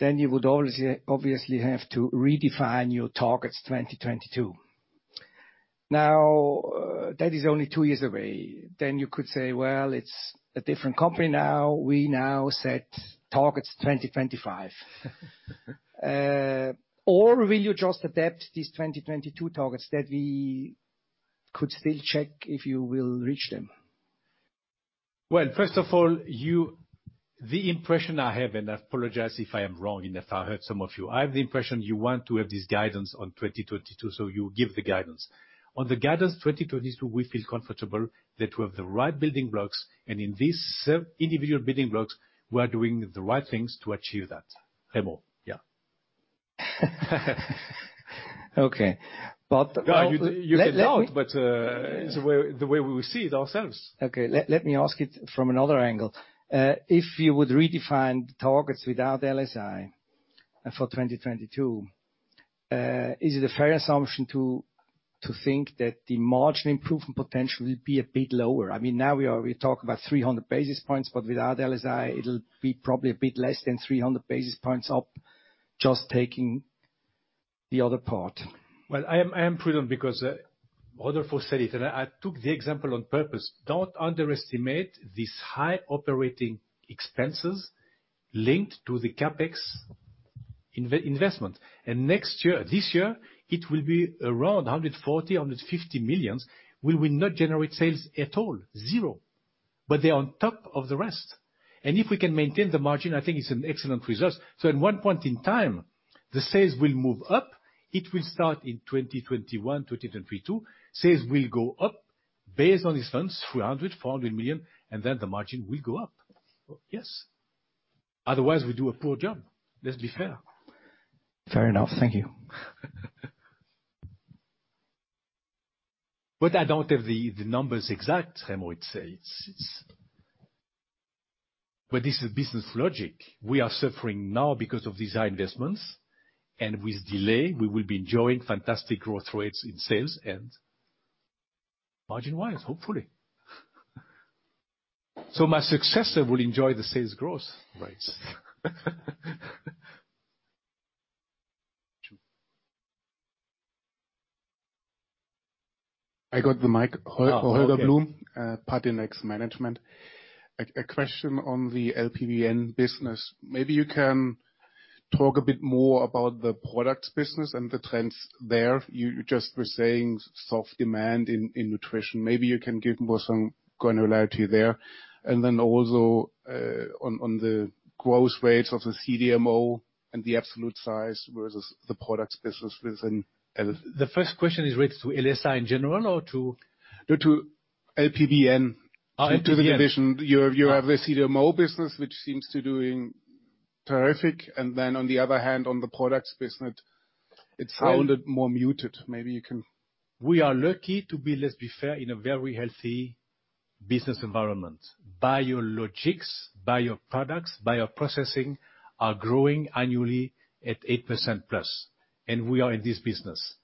you would obviously have to redefine your targets 2022. That is only two years away. You could say, "Well, it's a different company now. We now set targets 2025." Will you just adapt these 2022 targets that we could still check if you will reach them? Well, first of all, the impression I have, and I apologize if I am wrong and if I hurt some of you. I have the impression you want to have this guidance on 2022, you give the guidance. On the guidance 2022, we feel comfortable that we have the right building blocks, and in these individual building blocks, we are doing the right things to achieve that. Remo, yeah. Okay. You can doubt, but it's the way we will see it ourselves. Okay. Let me ask it from another angle. If you would redefine the targets without LSI for 2022, is it a fair assumption to think that the margin improvement potential will be a bit lower? Now we talk about 300 basis points, but without LSI, it'll be probably a bit less than 300 basis points up, just taking the other part. Well, I am prudent because Rodolfo said it, and I took the example on purpose. Don't underestimate these high operating expenses linked to the CapEx investment. This year, it will be around 140 million, 150 million. We will not generate sales at all, zero. They're on top of the rest. If we can maintain the margin, I think it's an excellent result. At one point in time, the sales will move up. It will start in 2021, 2022. Sales will go up based on these funds, 300 million, 400 million, and then the margin will go up. Yes. Otherwise, we do a poor job. Let's be fair. Fair enough. Thank you. I don't have the numbers exact, Remo. This is business logic. We are suffering now because of these investments. With delay, we will be enjoying fantastic growth rates in sales and margin-wise, hopefully. My successor will enjoy the sales growth. Right. True. I got the mic. Holger Blum, Patinex Management. A question on the LPBN business. Maybe you can talk a bit more about the products business and the trends there. You just were saying soft demand in nutrition. Maybe you can give more some granularity there. Also, on the growth rates of the CDMO and the absolute size versus the products business within. The first question is related to LSI in general. To LPBN. LPBN. To the division. You have the CDMO business, which seems to doing terrific, and then on the other hand, on the products business, it sounded more muted. We are lucky to be, let's be fair, in a very healthy business environment. Biologics, bioproducts, bioprocessing are growing annually at 8%+, we are in this business.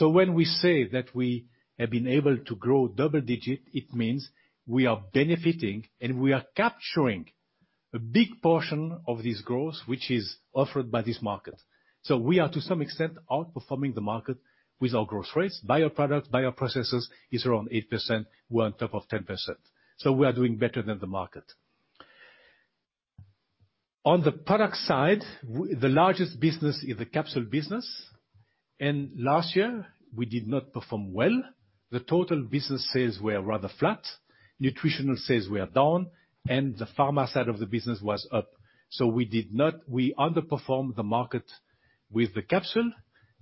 When we say that we have been able to grow double-digit, it means we are benefiting, we are capturing a big portion of this growth, which is offered by this market. We are, to some extent, outperforming the market with our growth rates. Bioproducts, bioprocesses is around 8%, we're on top of 10%. We are doing better than the market. On the product side, the largest business is the capsule business, Last year we did not perform well. The total business sales were rather flat. Nutritional sales were down, the pharma side of the business was up. We underperformed the market with the capsule,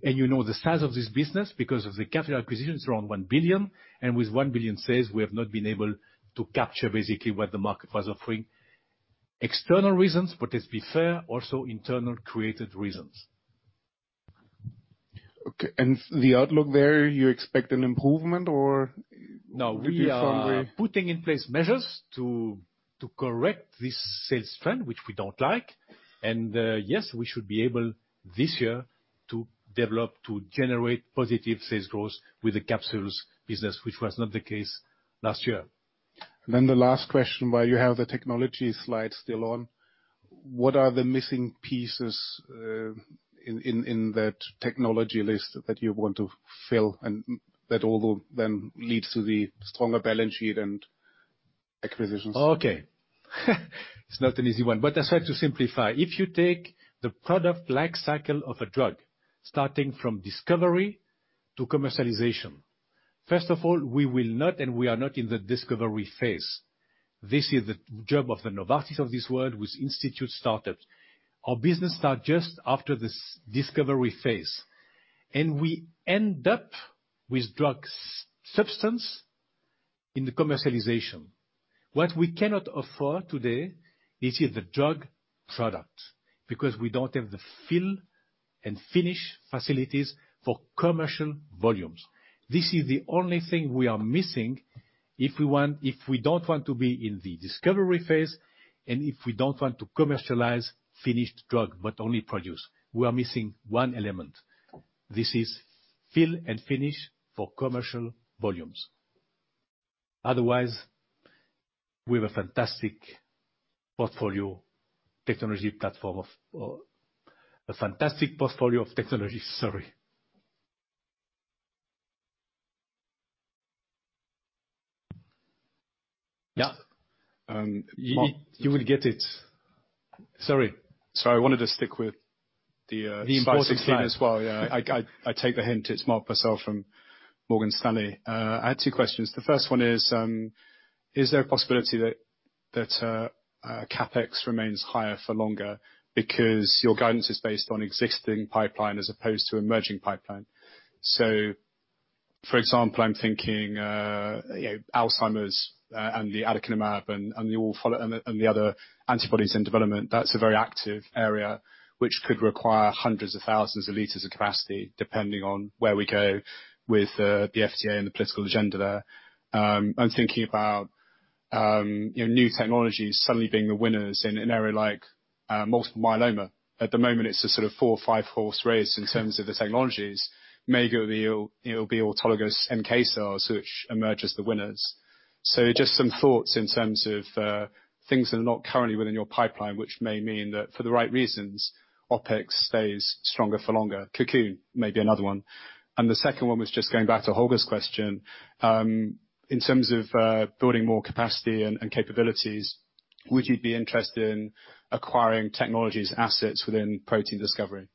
and you know the size of this business because of the capital acquisition, it's around 1 billion, and with 1 billion sales, we have not been able to capture basically what the market was offering. External reasons, but let's be fair, also internal-created reasons. Okay. The outlook there, you expect an improvement or. No. Will you firmly. We are putting in place measures to correct this sales trend, which we don't like. Yes, we should be able this year to develop, to generate positive sales growth with the capsules business, which was not the case last year. The last question, while you have the technology slide still on, what are the missing pieces in that technology list that you want to fill, and that although then leads to the stronger balance sheet and acquisitions? Okay. It's not an easy one, but I'll try to simplify. If you take the product life cycle of a drug, starting from discovery to commercialization. First of all, we will not, and we are not in the discovery phase. This is the job of the Novartis of this world with institute startups. Our business start just after this discovery phase, and we end up with drug substance in the commercialization. What we cannot afford today is the drug product, because we don't have the fill and finish facilities for commercial volumes. This is the only thing we are missing if we don't want to be in the discovery phase, and if we don't want to commercialize finished drug, but only produce. We are missing one element. This is fill and finish for commercial volumes. Otherwise, we have a fantastic portfolio of technology. Sorry. Yeah. You will get it. Sorry. Sorry. I wanted to stick with the. The important slide. As well. Yeah. I take the hint. It's Mark Purcell from Morgan Stanley. I had two questions. The first one is there a possibility that CapEx remains higher for longer? Your guidance is based on existing pipeline as opposed to emerging pipeline. For example, I'm thinking Alzheimer's, and the aducanumab and the other antibodies in development. That's a very active area, which could require hundreds of thousands of liters of capacity, depending on where we go with the FDA and the political agenda there. I'm thinking about new technologies suddenly being the winners in an area like multiple myeloma. At the moment, it's a sort of four or five-horse race in terms of the technologies. Maybe it'll be autologous NK cells which emerge as the winners. Just some thoughts in terms of things that are not currently within your pipeline, which may mean that, for the right reasons, OpEx stays stronger for longer. Cocoon may be another one. The second one was just going back to Holger's question. In terms of building more capacity and capabilities, would you be interested in acquiring technologies, assets within protein discovery?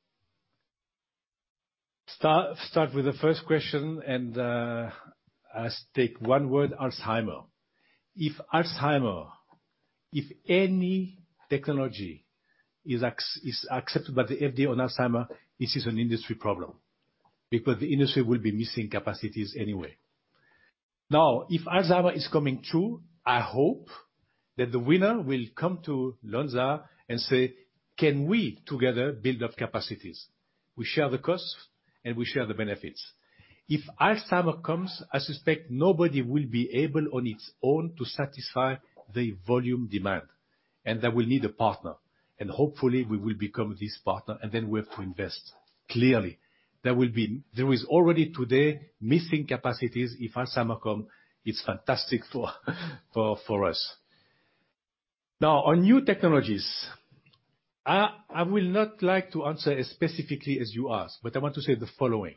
Start with the first question, and I take one word, Alzheimer. If Alzheimer, if any technology is accepted by the FDA on Alzheimer, this is an industry problem, because the industry will be missing capacities anyway. If Alzheimer is coming true, I hope that the winner will come to Lonza and say, "Can we together build up capacities? We share the costs and we share the benefits." If Alzheimer comes, I suspect nobody will be able on its own to satisfy the volume demand, and they will need a partner, and hopefully we will become this partner, and then we have to invest. Clearly, there is already today missing capacities. If Alzheimer come, it's fantastic for us. On new technologies, I will not like to answer as specifically as you ask, but I want to say the following.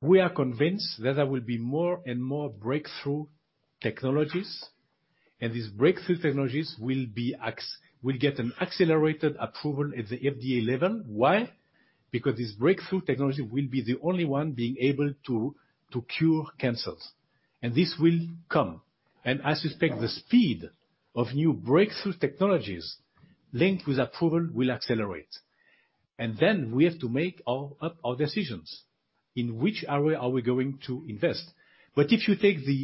We are convinced that there will be more and more breakthrough technologies. These breakthrough technologies will get an accelerated approval at the FDA level. Why? Because this breakthrough technology will be the only one being able to cure cancers, and this will come. I suspect the speed of new breakthrough technologies linked with approval will accelerate. We have to make up our decisions. In which area are we going to invest? If you take the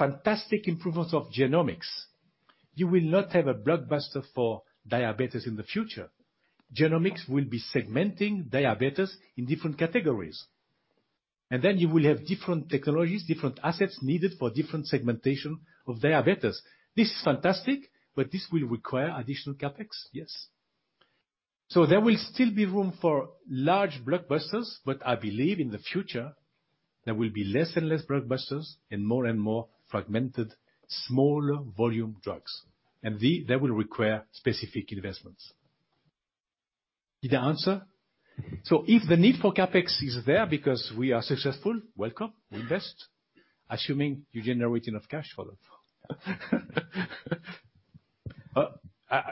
fantastic improvements of genomics, you will not have a blockbuster for diabetes in the future. Genomics will be segmenting diabetes in different categories. You will have different technologies, different assets needed for different segmentation of diabetes. This is fantastic, but this will require additional CapEx, yes. There will still be room for large blockbusters, but I believe in the future, there will be less and less blockbusters and more and more fragmented smaller volume drugs. They will require specific investments. Did I answer? If the need for CapEx is there because we are successful, welcome. We invest, assuming you generate enough cash flow.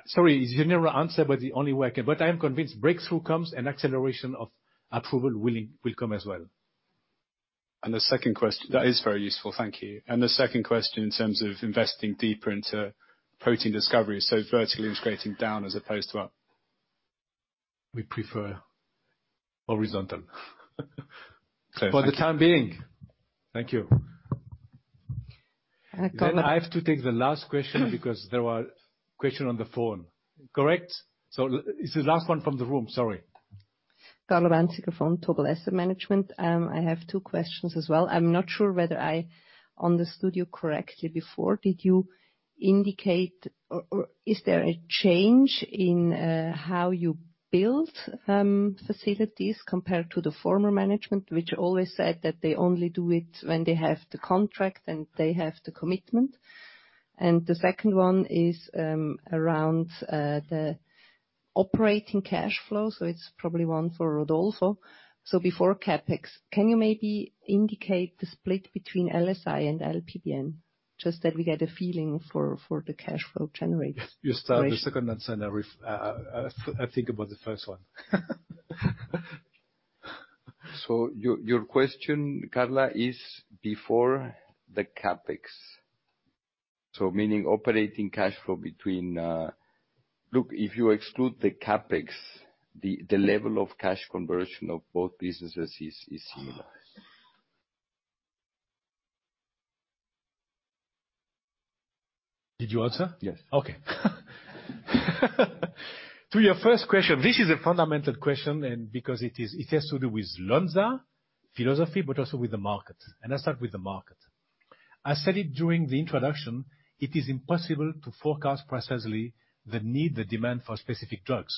Sorry, it's a general answer, but the only way I can. I am convinced breakthrough comes and acceleration of approval will come as well. That is very useful. Thank you. The second question in terms of investing deeper into protein discovery, so vertically integrating down as opposed to up. We prefer horizontal. Clear. For the time being. Thank you. And a couple of. I have to take the last questions because there were questions on the phone. Correct? It's the last one from the room, sorry. Carla Baenziger from Vontobel Asset Management. I have two questions as well. I'm not sure whether I understood you correctly before. Did you indicate or is there a change in how you build facilities compared to the former management, which always said that they only do it when they have the contract and they have the commitment? The second one is around the operating cash flow, so it's probably one for Rodolfo. Before CapEx, can you maybe indicate the split between LSI and LPBN, just that we get a feeling for the cash flow generated? You start the second and I think about the first one. Your question, Carla, is before the CapEx. Meaning operating cash flow. Look, if you exclude the CapEx, the level of cash conversion of both businesses is similar. Did you answer? Yes. Okay. To your first question, this is a fundamental question, and because it has to do with Lonza philosophy, but also with the market. I start with the market. I said it during the introduction, it is impossible to forecast precisely the need, the demand for specific drugs.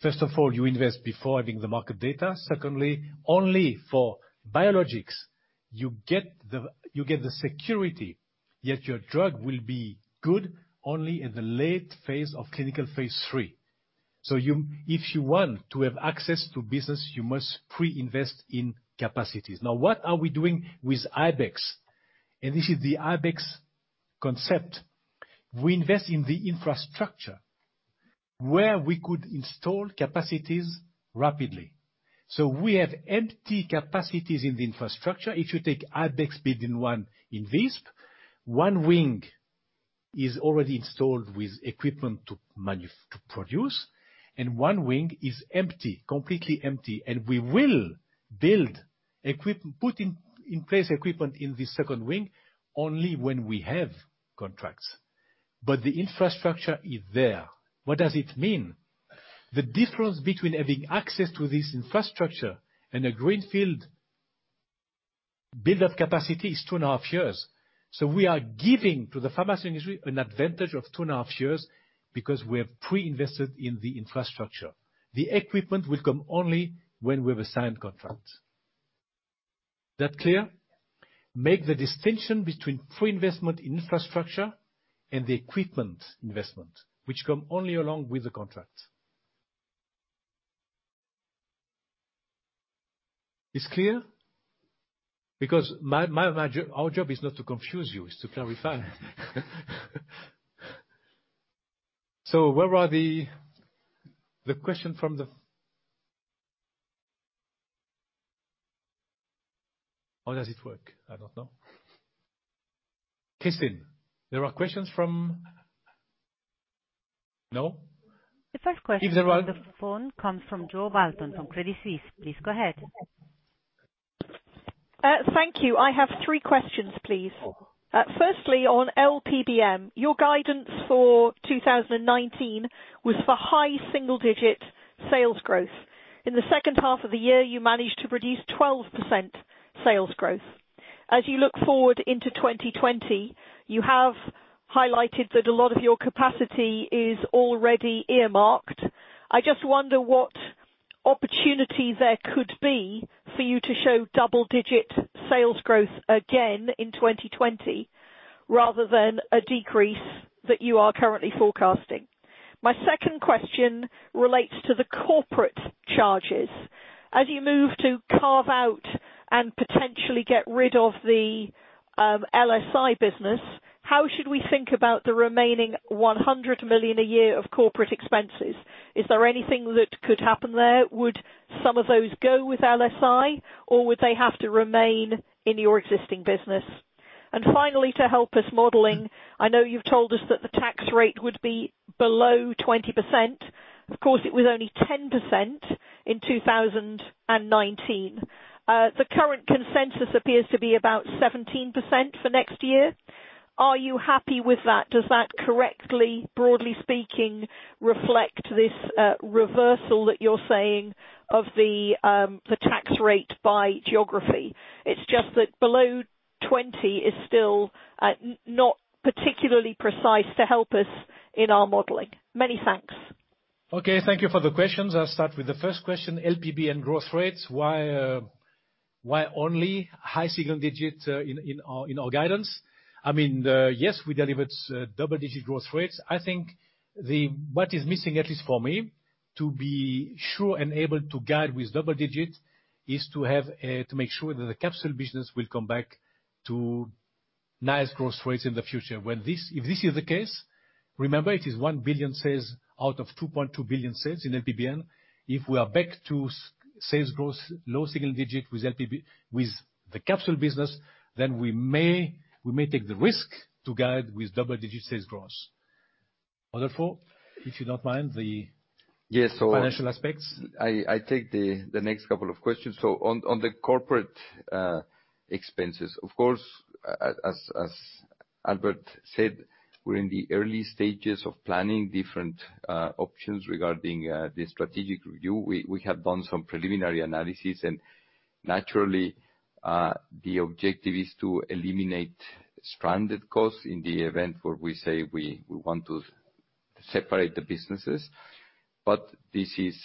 First of all, you invest before having the market data. Secondly, only for biologics you get the security, yet your drug will be good only in the late phase of clinical phase III. If you want to have access to business, you must pre-invest in capacities. Now, what are we doing with Ibex? This is the Ibex concept. We invest in the infrastructure where we could install capacities rapidly. We have empty capacities in the infrastructure. If you take Ibex building one in Visp, one wing is already installed with equipment to produce, and one wing is empty, completely empty. We will put in place equipment in the second wing only when we have contracts. The infrastructure is there. What does it mean? The difference between having access to this infrastructure and a greenfield build up capacity is two and a half years. We are giving to the pharma industry an advantage of two and a half years because we have pre-invested in the infrastructure. The equipment will come only when we have a signed contract. That clear? Make the distinction between pre-investment infrastructure and the equipment investment, which come only along with the contract. It's clear? Our job is not to confuse you, it's to clarify. Where are the question from the How does it work? I don't know. Kristen, there are questions from No? The first question. If there are. On the phone comes from Jo Walton from Credit Suisse. Please go ahead. Thank you. I have three questions, please. Firstly, on LPBN, your guidance for 2019 was for high single-digit sales growth. In the second half of the year, you managed to produce 12% sales growth. As you look forward into 2020, you have highlighted that a lot of your capacity is already earmarked. I just wonder what opportunity there could be for you to show double-digit sales growth again in 2020, rather than a decrease that you are currently forecasting. My second question relates to the corporate charges. As you move to carve out and potentially get rid of the LSI business, how should we think about the remaining 100 million a year of corporate expenses? Is there anything that could happen there? Would some of those go with LSI, or would they have to remain in your existing business? Finally, to help us modeling, I know you've told us that the tax rate would be below 20%. Of course, it was only 10% in 2019. The current consensus appears to be about 17% for next year. Are you happy with that? Does that correctly, broadly speaking, reflect this reversal that you're saying of the tax rate by geography? It's just that below 20% is still not particularly precise to help us in our modeling. Many thanks. Okay, thank you for the questions. I'll start with the first question, LPBN growth rates. Why only high single digits in our guidance? Yes, we delivered double-digit growth rates. I think what is missing, at least for me, to be sure and able to guide with double digits, is to make sure that the capsule business will come back to nice growth rates in the future. If this is the case, remember, it is 1 billion sales out of 2.2 billion sales in LPBN. If we are back to sales growth, low single digit with the capsule business, then we may take the risk to guide with double-digit sales growth. Other four, if you don't mind. Yes. Financial aspects. I take the next couple of questions. On the corporate expenses, of course, as Albert said, we're in the early stages of planning different options regarding the strategic review. We have done some preliminary analysis, and naturally, the objective is to eliminate stranded costs in the event where we say we want to separate the businesses. This is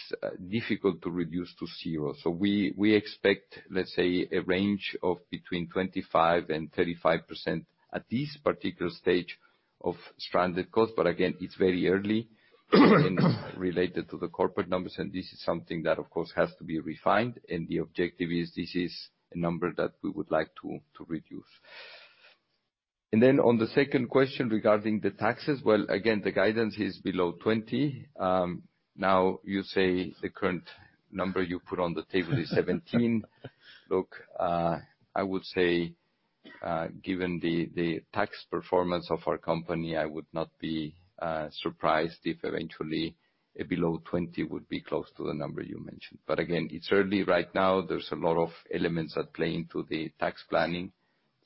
difficult to reduce to zero. We expect, let's say, a range of between 25%-35% at this particular stage of stranded costs. Again, it's very early and related to the corporate numbers, and this is something that, of course, has to be refined, and the objective is this is a number that we would like to reduce. Then on the second question regarding the taxes, well, again, the guidance is below 20%. You say the current number you put on the table is 17%. Look, I would say given the tax performance of our company, I would not be surprised if eventually below 20% would be close to the number you mentioned. Again, it's early right now. There's a lot of elements at play into the tax planning.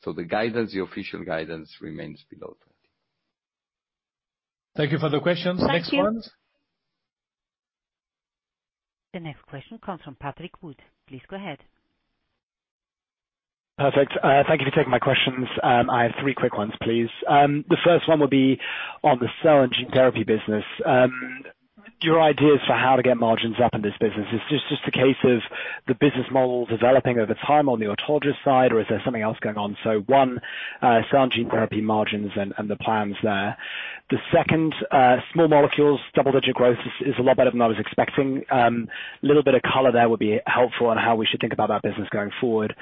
The official guidance remains below 20%. Thank you for the questions. Thank you. Next ones. The next question comes from Patrick Wood. Please go ahead. Perfect. Thank you for taking my questions. I have three quick ones, please. The first one will be on the cell and gene therapy business. Your ideas for how to get margins up in this business, is this just a case of the business model developing over time on the autologous side, or is there something else going on? One, cell and gene therapy margins and the plans there. The second, small molecules, double-digit growth is a lot better than I was expecting. Little bit of color there would be helpful on how we should think about that business going forward.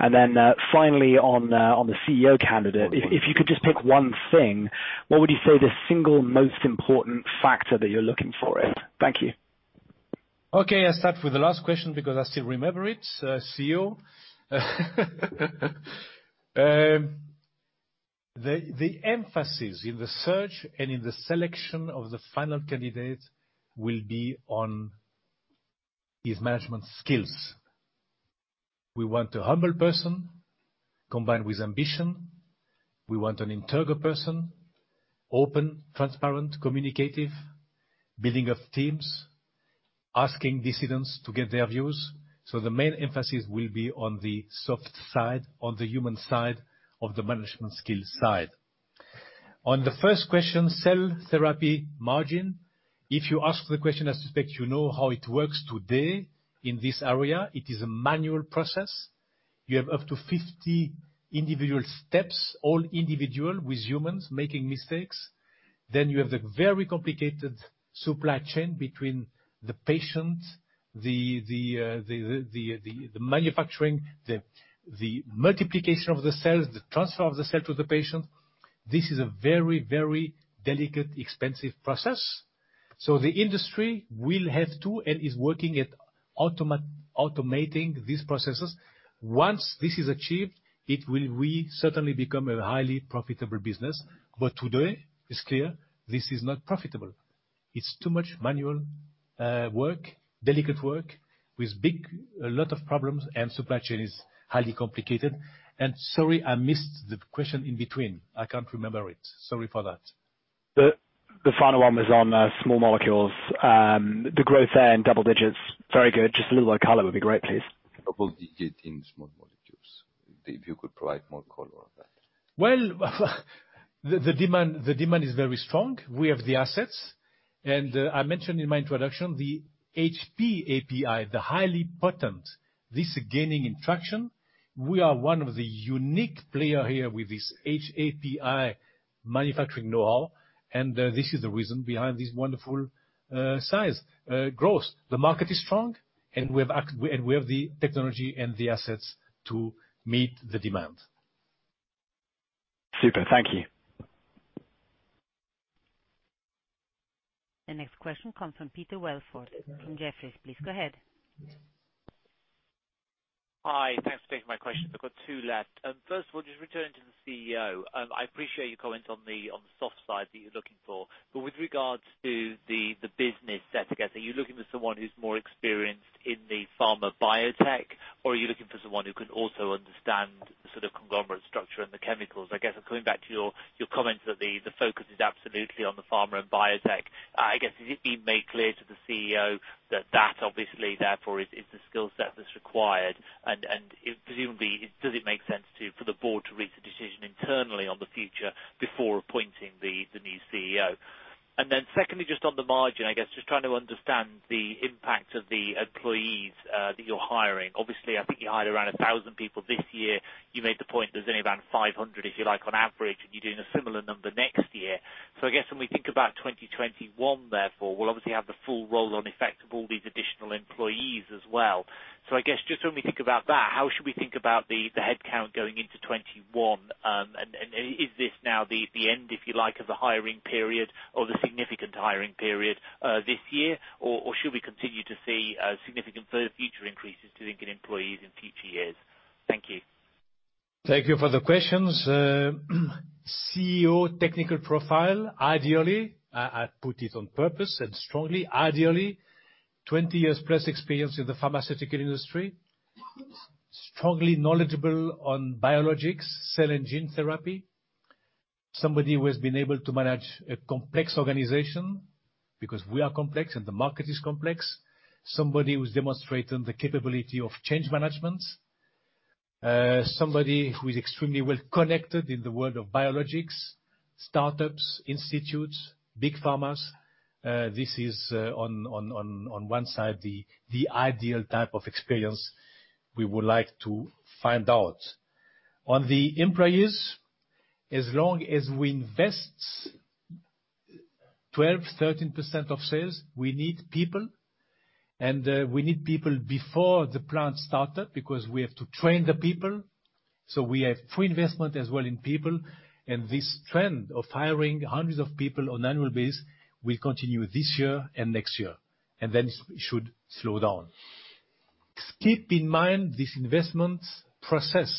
Finally, on the CEO candidate, if you could just pick one thing, what would you say the single most important factor that you're looking for is? Thank you. Okay, I'll start with the last question because I still remember it. CEO. The emphasis in the search and in the selection of the final candidate will be on his management skills. We want a humble person combined with ambition. We want an integral person, open, transparent, communicative, building of teams, asking dissidents to get their views. The main emphasis will be on the soft side, on the human side, of the management skill side. On the first question, cell therapy margin. If you ask the question, I suspect you know how it works today in this area. It is a manual process. You have up to 50 individual steps, all individual, with humans making mistakes. You have the very complicated supply chain between the patients, the manufacturing, the multiplication of the cells, the transfer of the cell to the patient. This is a very delicate, expensive process. The industry will have to, and is working at automating these processes. Once this is achieved, it will certainly become a highly profitable business. Today, it's clear this is not profitable. It's too much manual work, delicate work with a lot of problems, and supply chain is highly complicated. Sorry, I missed the question in between. I can't remember it. Sorry for that. The final one was on small molecules. The growth there in double digits. Very good. Just a little more color would be great, please. Double digit in small molecules. If you could provide more color on that. Well, the demand is very strong. We have the assets. I mentioned in my introduction, the HPAPI, the highly potent, this gaining in traction. We are one of the unique player here with this HPAPI manufacturing knowhow. This is the reason behind this wonderful size growth. The market is strong. We have the technology and the assets to meet the demand. Super. Thank you. The next question comes from Peter Welford from Jefferies. Please go ahead. Hi. Thanks for taking my questions. I've got two left. First of all, just returning to the CEO. I appreciate your comment on the soft side that you're looking for, but with regards to the business set together, are you looking for someone who's more experienced in the pharma biotech, or are you looking for someone who can also understand the conglomerate structure and the chemicals? I guess I'm coming back to your comment that the focus is absolutely on the pharma and biotech. I guess, is it being made clear to the CEO that that obviously, therefore, is the skill set that's required? Presumably, does it make sense for the board to reach a decision internally on the future before appointing the new CEO? Secondly, just on the margin, I guess just trying to understand the impact of the employees that you're hiring. Obviously, I think you hired around 1,000 people this year. You made the point there's only around 500, if you like, on average, and you're doing a similar number next year. I guess when we think about 2021, therefore, we'll obviously have the full roll-on effect of all these additional employees as well. I guess, just when we think about that, how should we think about the headcount going into 2021, and is this now the end, if you like, of the hiring period, or the significant hiring period, this year? Should we continue to see significant further future increases to get employees in future years? Thank you. Thank you for the questions. CEO technical profile, ideally, I put it on purpose and strongly, ideally 20-plus years of experience in the pharmaceutical industry, strongly knowledgeable on biologics, cell and gene therapy. Somebody who has been able to manage a complex organization, because we are complex, and the market is complex. Somebody who has demonstrated the capability of change management. Somebody who is extremely well connected in the world of biologics, startups, institutes, big pharmas. This is, on one side, the ideal type of experience we would like to find out. On the employees, as long as we invest 12%, 13% of sales, we need people. We need people before the plant is started because we have to train the people. We have pre-investment as well in people. This trend of hiring hundreds of people on an annual basis will continue this year and next year. Then it should slow down. Keep in mind this investment process,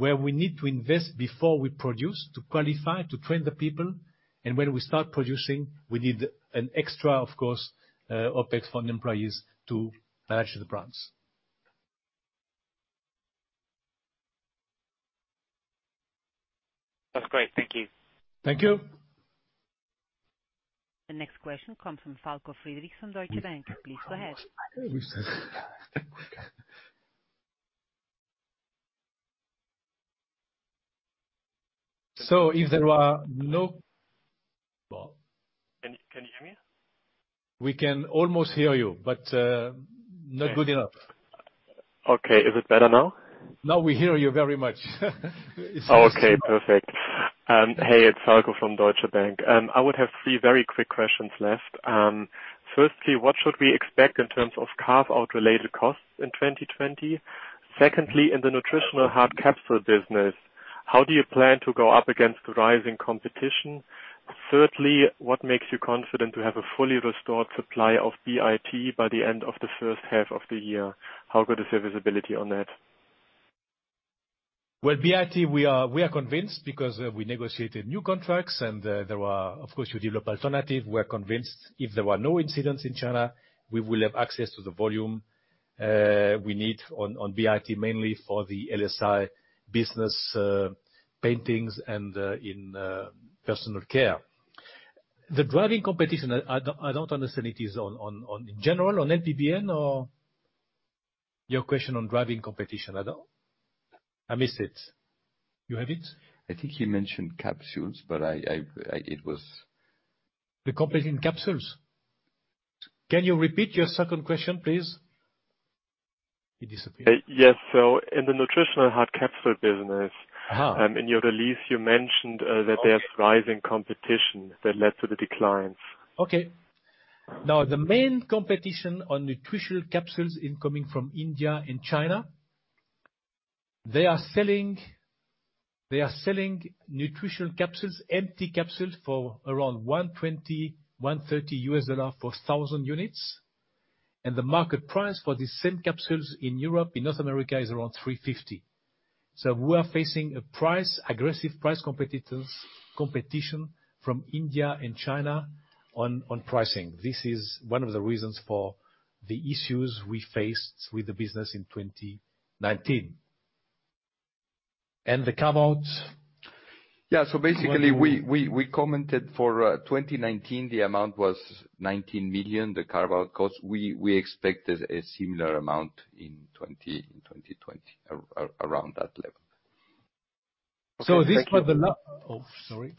where we need to invest before we produce, to qualify, to train the people. When we start producing, we need an extra, of course, OpEx for the employees to manage the brands. That's great. Thank you. Thank you. The next question comes from Falko Friedrichs from Deutsche Bank. Please go ahead. if there are no. Can you hear me? We can almost hear you, but not good enough. Okay. Is it better now? Now we hear you very much. Okay, perfect. Hey, it's Falko from Deutsche Bank. I would have three very quick questions left. Firstly, what should we expect in terms of carve-out related costs in 2020? Secondly, in the nutritional hard capsule business, how do you plan to go up against rising competition? Thirdly, what makes you confident to have a fully restored supply of BIT by the end of the first half of the year? How good is the visibility on that? Well, BIT, we are convinced because we negotiated new contracts and there are, of course, you develop alternatives. We are convinced if there are no incidents in China, we will have access to the volume we need on BIT, mainly for the LSI business, paints, and in personal care. The driving competition, I don't understand, it is on in general, on LPBN, or? Your question on driving competition. I missed it. You have it? I think he mentioned capsules, but it was The competition capsules? Can you repeat your second question, please? He disappeared. Yes. In the nutritional hard capsule business. In your release, you mentioned that there's rising competition that led to the declines. The main competition on nutritional capsules is coming from India and China. They are selling nutritional capsules, empty capsules, for around $120, $130 for 1,000 units. The market price for the same capsules in Europe, in North America is around $350. We are facing aggressive price competition from India and China on pricing. This is one of the reasons for the issues we faced with the business in 2019. The carve-outs? Yeah. Basically, we commented for 2019, the amount was 19 million, the carve-out cost. We expected a similar amount in 2020, around that level. Okay. Thank you. Oh, sorry.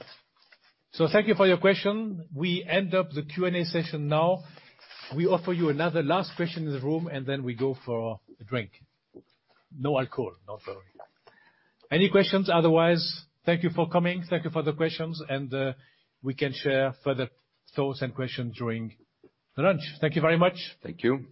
Thank you for your question. We end up the Q&A session now. We offer you another last question in the room, and then we go for a drink. No alcohol. Don't worry. Any questions? Otherwise, thank you for coming. Thank you for the questions, and we can share further thoughts and questions during the lunch. Thank you very much. Thank you.